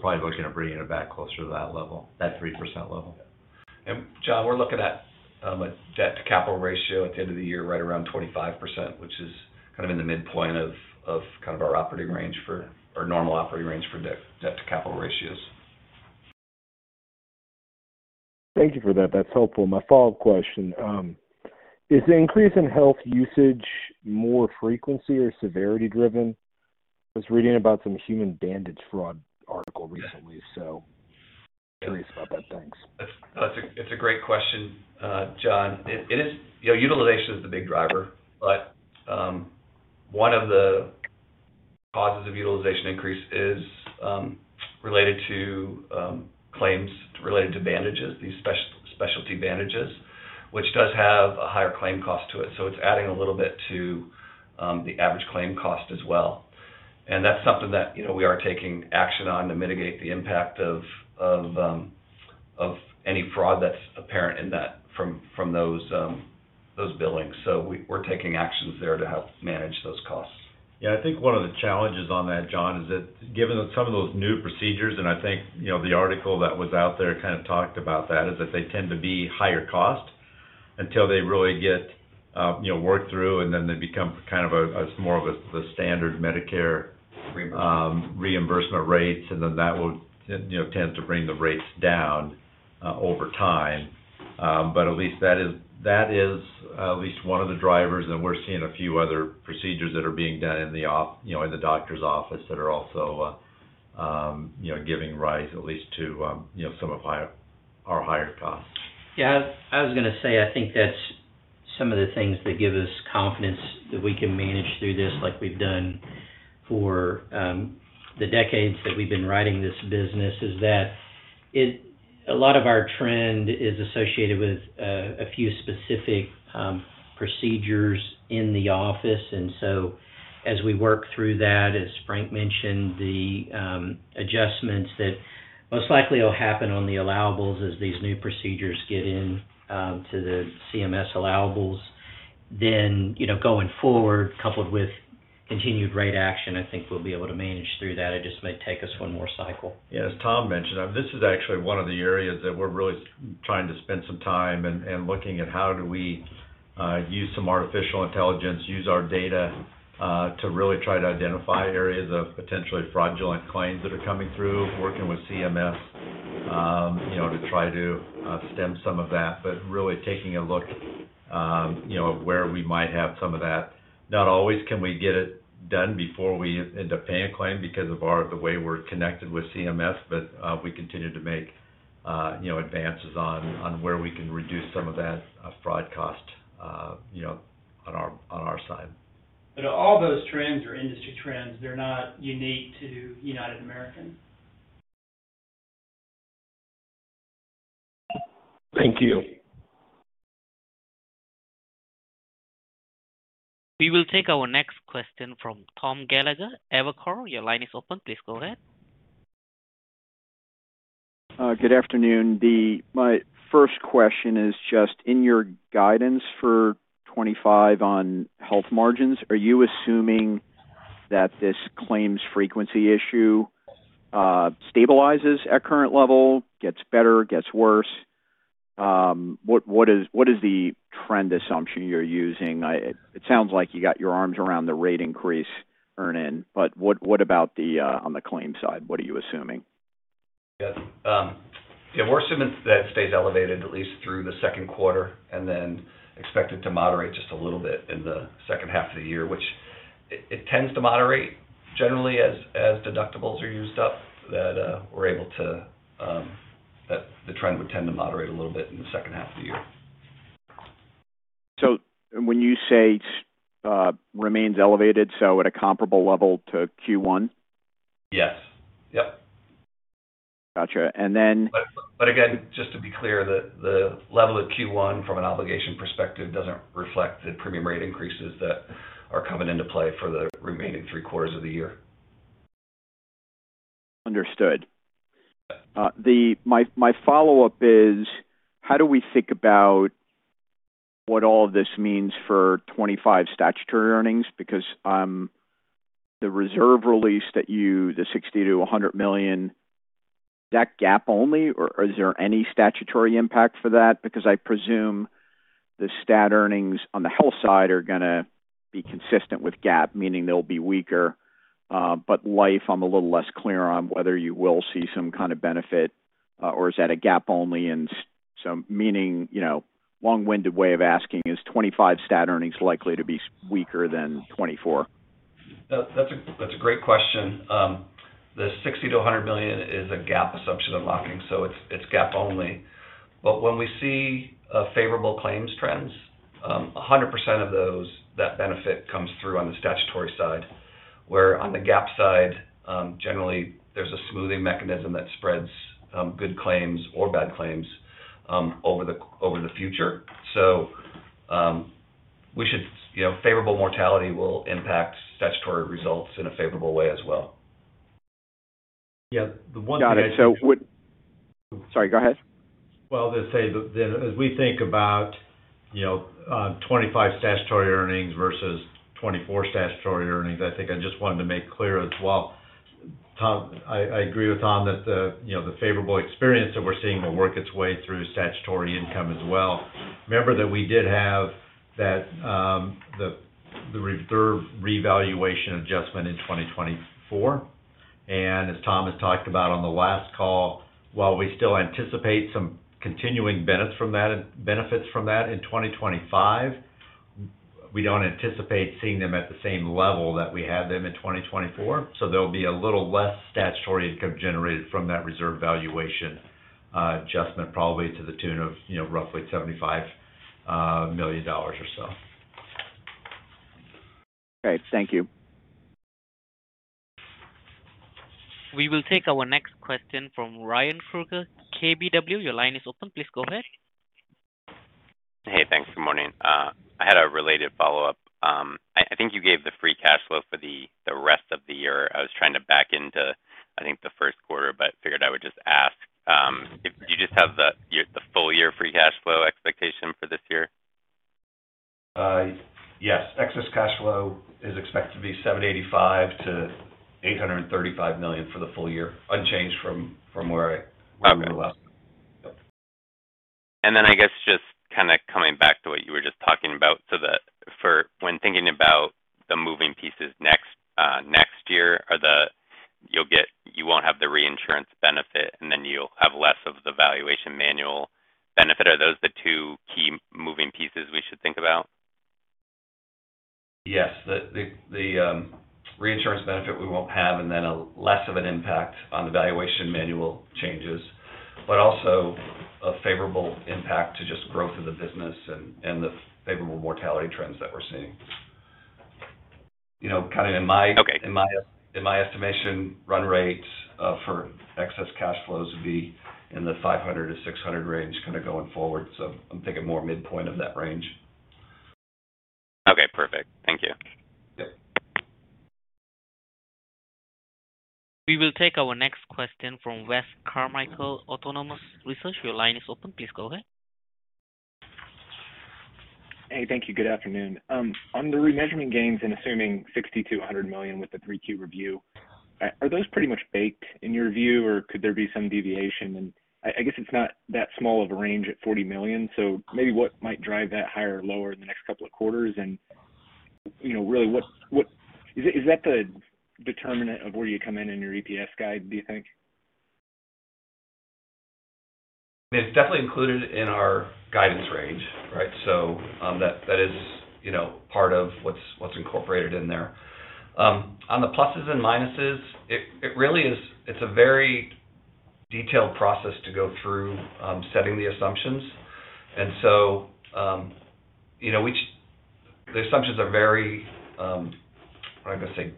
Probably looking at bringing it back closer to that level, that 3% level. John, we're looking at a debt-to-capital ratio at the end of the year, right around 25%, which is kind of in the midpoint of our normal operating range for debt-to-capital ratios. Thank you for that. That's helpful. My follow-up question is the increase in health usage more frequency or severity driven? I was reading about some human bandage fraud article recently, so curious about that. Thanks. It's a great question, John. Utilization is the big driver, but one of the causes of utilization increase is related to claims related to bandages, these specialty bandages, which does have a higher claim cost to it. It is adding a little bit to the average claim cost as well. That is something that we are taking action on to mitigate the impact of any fraud that is apparent from those billings. We are taking actions there to help manage those costs. Yeah. I think one of the challenges on that, John, is that given some of those new procedures, and I think the article that was out there kind of talked about that, is that they tend to be higher cost until they really get worked through, and then they become kind of more of the standard Medicare reimbursement rates. That will tend to bring the rates down over time. At least that is at least one of the drivers. We are seeing a few other procedures that are being done in the doctor's office that are also giving rise, at least to some of our higher costs. Yeah. I was going to say I think that's some of the things that give us confidence that we can manage through this, like we've done for the decades that we've been writing this business, is that a lot of our trend is associated with a few specific procedures in the office. As we work through that, as Frank mentioned, the adjustments that most likely will happen on the allowables as these new procedures get into the CMS allowables, then going forward, coupled with continued rate action, I think we'll be able to manage through that. It just may take us one more cycle. Yeah. As Tom mentioned, this is actually one of the areas that we're really trying to spend some time and looking at how do we use some artificial intelligence, use our data to really try to identify areas of potentially fraudulent claims that are coming through, working with CMS to try to stem some of that, really taking a look at where we might have some of that. Not always can we get it done before we end up paying a claim because of the way we're connected with CMS, but we continue to make advances on where we can reduce some of that fraud cost on our side. All those trends are industry trends. They're not unique to United American. Thank you. We will take our next question from Tom Gallagher, Evercore. Your line is open. Please go ahead. Good afternoon. My first question is just in your guidance for 2025 on health margins, are you assuming that this claims frequency issue stabilizes at current level, gets better, gets worse? What is the trend assumption you're using? It sounds like you got your arms around the rate increase earning, but what about on the claim side? What are you assuming? Yeah. We're assuming that stays elevated at least through the second quarter and then expected to moderate just a little bit in the second half of the year, which it tends to moderate generally as deductibles are used up, that the trend would tend to moderate a little bit in the second half of the year. When you say remains elevated, so at a comparable level to Q1? Yes. Yep. Gotcha. Then. Again, just to be clear, the level of Q1 from an obligation perspective doesn't reflect the premium rate increases that are coming into play for the remaining three quarters of the year. Understood. My follow-up is, how do we think about what all of this means for 2025 statutory earnings? Because the reserve release that you, the $60 million-$100 million, that GAAP only, or is there any statutory impact for that? Because I presume the stat earnings on the health side are going to be consistent with GAAP, meaning they'll be weaker. But life, I'm a little less clear on whether you will see some kind of benefit, or is that a GAAP only? Meaning, long-winded way of asking, is 2025 stat earnings likely to be weaker than 2024? That's a great question. The $60 million-$100 million is a GAAP assumption unlocking, so it's GAAP only. When we see favorable claims trends, 100% of that benefit comes through on the statutory side, where on the GAAP side, generally, there's a smoothing mechanism that spreads good claims or bad claims over the future. We should see favorable mortality will impact statutory results in a favorable way as well. Yeah. The one thing that. Got it. Sorry, go ahead. As we think about 2025 statutory earnings versus 2024 statutory earnings, I think I just wanted to make clear as well, I agree with Tom that the favorable experience that we're seeing will work its way through statutory income as well. Remember that we did have that reserve revaluation adjustment in 2024. As Tom has talked about on the last call, while we still anticipate some continuing benefits from that in 2025, we do not anticipate seeing them at the same level that we had them in 2024. There will be a little less statutory income generated from that reserve valuation adjustment, probably to the tune of roughly $75 million or so. Great. Thank you. We will take our next question from Ryan Krueger, KBW. Your line is open. Please go ahead. Hey, thanks. Good morning. I had a related follow-up. I think you gave the free cash flow for the rest of the year. I was trying to back into, I think, the first quarter, but figured I would just ask. Do you just have the full year free cash flow expectation for this year? Yes. Excess cash flow is expected to be $785 million-$835 million for the full year, unchanged from where I remember last time. I guess just kind of coming back to what you were just talking about, so that for when thinking about the moving pieces next year, you won't have the reinsurance benefit, and then you'll have less of the valuation manual benefit. Are those the two key moving pieces we should think about? Yes. The reinsurance benefit we won't have, and then less of an impact on the valuation manual changes, but also a favorable impact to just growth of the business and the favorable mortality trends that we're seeing. Kind of in my estimation, run rates for excess cash flows would be in the $500 million-$600 million range kind of going forward. I am thinking more midpoint of that range. Okay. Perfect. Thank you. Yep. We will take our next question from Wes Carmichael, Autonomous Research. Your line is open. Please go ahead. Hey, thank you. Good afternoon. On the remeasurement gains and assuming $60 million-$100 million with the 3Q review, are those pretty much baked in your view, or could there be some deviation? I guess it's not that small of a range at $40 million. What might drive that higher or lower in the next couple of quarters? Really, is that the determinant of where you come in in your EPS guide, do you think? It's definitely included in our guidance range, right? That is part of what's incorporated in there. On the pluses and minuses, it really is a very detailed process to go through setting the assumptions. The assumptions are very—what am I going to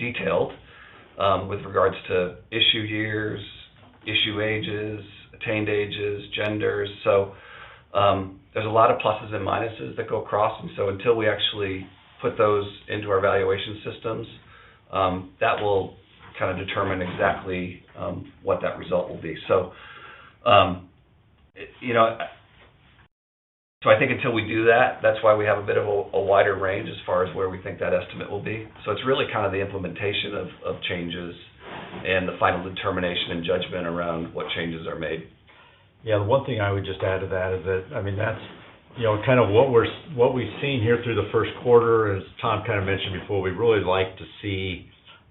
say?—detailed with regards to issue years, issue ages, attained ages, genders. There are a lot of pluses and minuses that go across. Until we actually put those into our valuation systems, that will kind of determine exactly what that result will be. I think until we do that, that's why we have a bit of a wider range as far as where we think that estimate will be. It's really kind of the implementation of changes and the final determination and judgment around what changes are made. Yeah. The one thing I would just add to that is that, I mean, that's kind of what we've seen here through the first quarter, as Tom kind of mentioned before. We'd really like to see,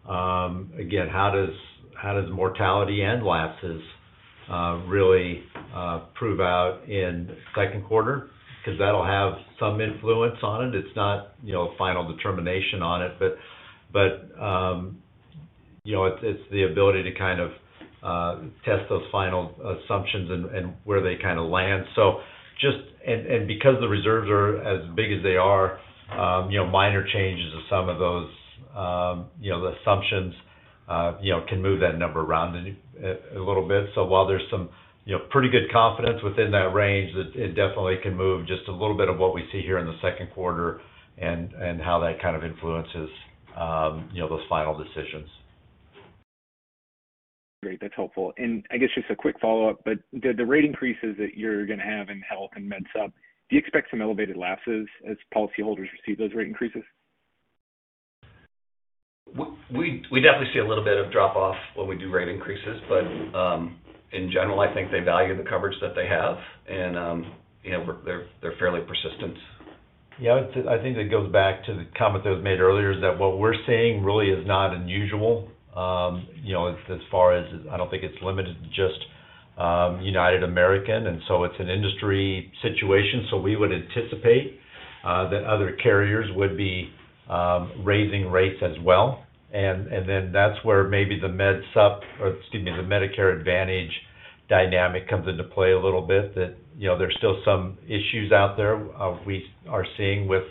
again, how does mortality and losses really prove out in second quarter because that'll have some influence on it. It's not a final determination on it, but it's the ability to kind of test those final assumptions and where they kind of land. Because the reserves are as big as they are, minor changes to some of those assumptions can move that number around a little bit. While there's some pretty good confidence within that range, it definitely can move just a little bit of what we see here in the second quarter and how that kind of influences those final decisions. Great. That's helpful. I guess just a quick follow-up, but the rate increases that you're going to have in health and med sub, do you expect some elevated losses as policyholders receive those rate increases? We definitely see a little bit of drop-off when we do rate increases, but in general, I think they value the coverage that they have, and they're fairly persistent. Yeah. I think that goes back to the comment that was made earlier is that what we're seeing really is not unusual as far as I don't think it's limited to just United American. It is an industry situation. We would anticipate that other carriers would be raising rates as well. That is where maybe the med sub or, excuse me, the Medicare Advantage dynamic comes into play a little bit, that there's still some issues out there we are seeing with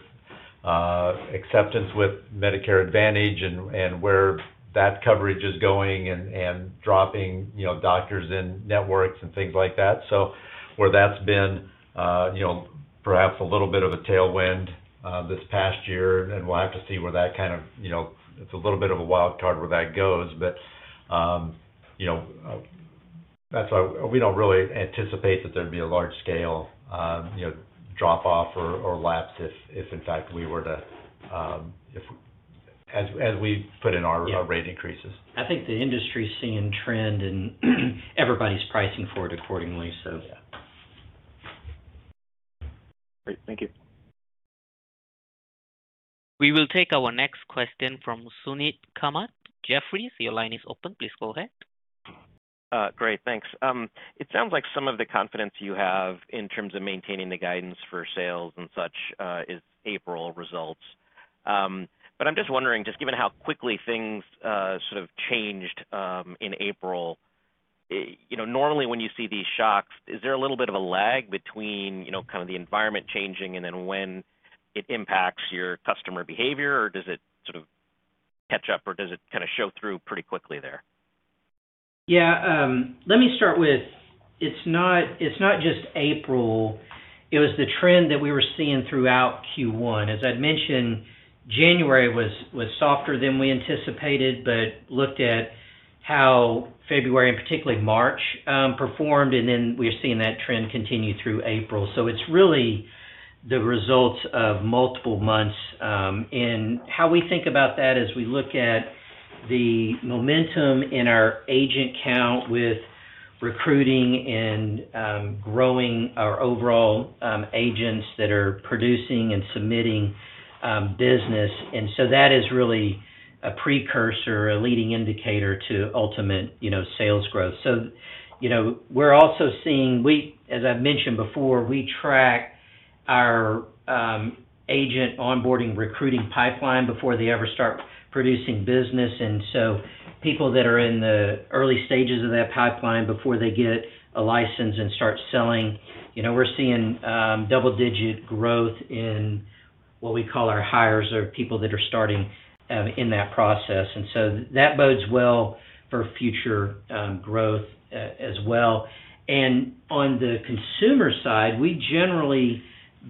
acceptance with Medicare Advantage and where that coverage is going and dropping doctors in networks and things like that. Where that's been perhaps a little bit of a tailwind this past year, we'll have to see where that kind of it's a little bit of a wild card where that goes. That is why we do not really anticipate that there would be a large-scale drop-off or lapse if, in fact, we were to as we put in our rate increases. I think the industry's seeing trend, and everybody's pricing for it accordingly. Yeah. Great. Thank you. We will take our next question from Suneet Kamath, Jefferies, your line is open. Please go ahead. Great. Thanks. It sounds like some of the confidence you have in terms of maintaining the guidance for sales and such is April results. I am just wondering, just given how quickly things sort of changed in April, normally when you see these shocks, is there a little bit of a lag between kind of the environment changing and then when it impacts your customer behavior, or does it sort of catch up, or does it kind of show through pretty quickly there? Yeah. Let me start with it's not just April. It was the trend that we were seeing throughout Q1. As I'd mentioned, January was softer than we anticipated, but looked at how February and particularly March performed, and we were seeing that trend continue through April. It is really the results of multiple months. How we think about that is we look at the momentum in our agent count with recruiting and growing our overall agents that are producing and submitting business. That is really a precursor, a leading indicator to ultimate sales growth. We are also seeing as I've mentioned before, we track our agent onboarding recruiting pipeline before they ever start producing business. People that are in the early stages of that pipeline before they get a license and start selling, we're seeing double-digit growth in what we call our hires or people that are starting in that process. That bodes well for future growth as well. On the consumer side, we generally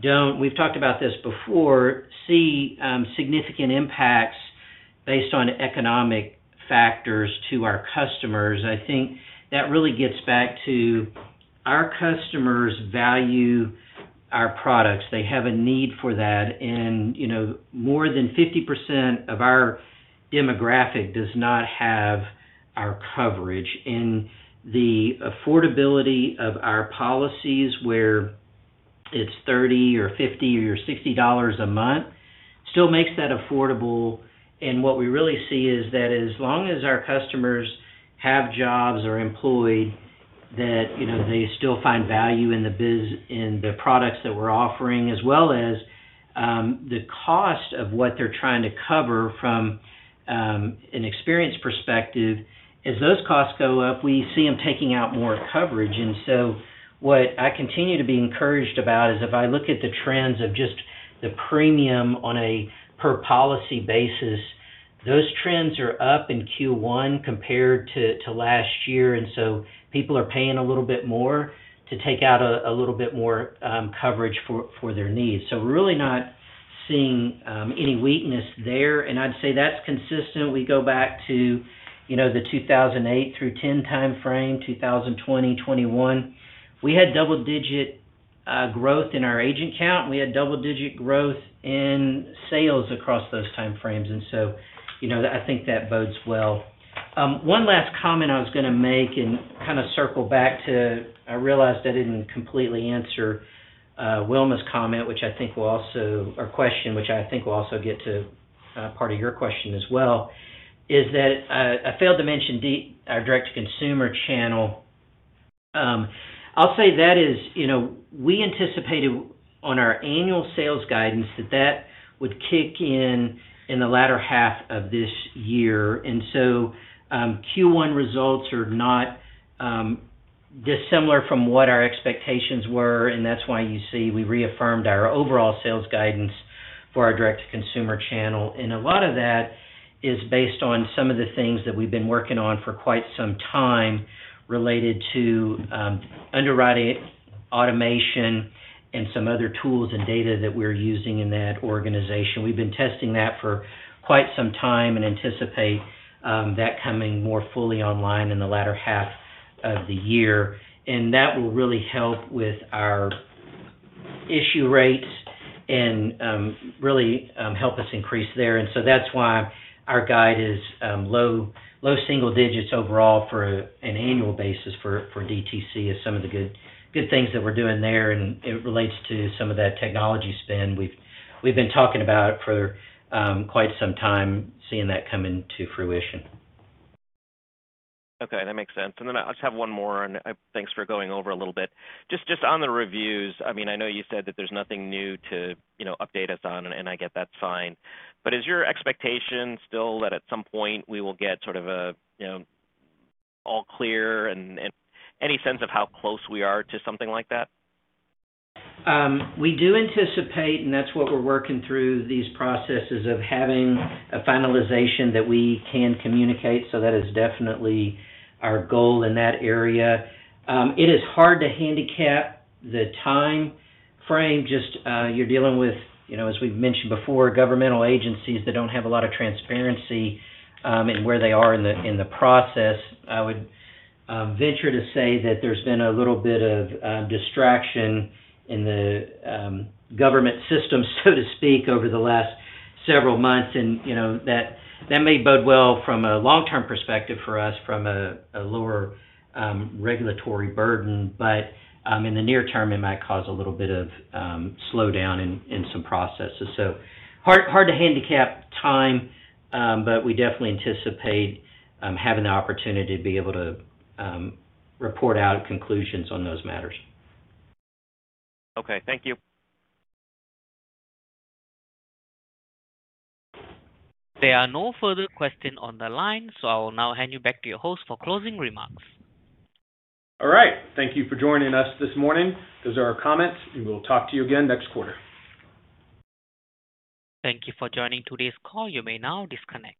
do not—we've talked about this before—see significant impacts based on economic factors to our customers. I think that really gets back to our customers value our products. They have a need for that. More than 50% of our demographic does not have our coverage. The affordability of our policies where it is $30 or $50 or $60 a month still makes that affordable. What we really see is that as long as our customers have jobs or are employed, they still find value in the products that we're offering, as well as the cost of what they're trying to cover from an experience perspective. As those costs go up, we see them taking out more coverage. What I continue to be encouraged about is if I look at the trends of just the premium on a per-policy basis, those trends are up in Q1 compared to last year. People are paying a little bit more to take out a little bit more coverage for their needs. We're really not seeing any weakness there. I'd say that's consistent. We go back to the 2008 through 2010 timeframe, 2020, 2021. We had double-digit growth in our agent count, and we had double-digit growth in sales across those timeframes. I think that bodes well. One last comment I was going to make and kind of circle back to—I realized I did not completely answer Wilma's comment, which I think will also—or question, which I think will also get to part of your question as well—is that I failed to mention our direct-to-consumer channel. I'll say that as we anticipated on our annual sales guidance that that would kick in in the latter half of this year. Q1 results are not dissimilar from what our expectations were. That is why you see we reaffirmed our overall sales guidance for our direct-to-consumer channel. A lot of that is based on some of the things that we've been working on for quite some time related to underwriting automation and some other tools and data that we're using in that organization. We've been testing that for quite some time and anticipate that coming more fully online in the latter half of the year. That will really help with our issue rates and really help us increase there. That is why our guide is low single digits overall for an annual basis for DTC is some of the good things that we're doing there. It relates to some of that technology spend we've been talking about for quite some time, seeing that come into fruition. Okay. That makes sense. I'll just have one more. Thanks for going over a little bit. Just on the reviews, I mean, I know you said that there's nothing new to update us on, and I get that's fine. Is your expectation still that at some point we will get sort of an all-clear and any sense of how close we are to something like that? We do anticipate, and that's what we're working through these processes of having a finalization that we can communicate. That is definitely our goal in that area. It is hard to handicap the timeframe. Just you're dealing with, as we've mentioned before, governmental agencies that don't have a lot of transparency in where they are in the process. I would venture to say that there's been a little bit of distraction in the government system, so to speak, over the last several months. That may bode well from a long-term perspective for us from a lower regulatory burden. In the near term, it might cause a little bit of slowdown in some processes. Hard to handicap time, but we definitely anticipate having the opportunity to be able to report out conclusions on those matters. Okay. Thank you. There are no further questions on the line. I will now hand you back to your host for closing remarks. All right. Thank you for joining us this morning. Those are our comments. We will talk to you again next quarter. Thank you for joining today's call. You may now disconnect.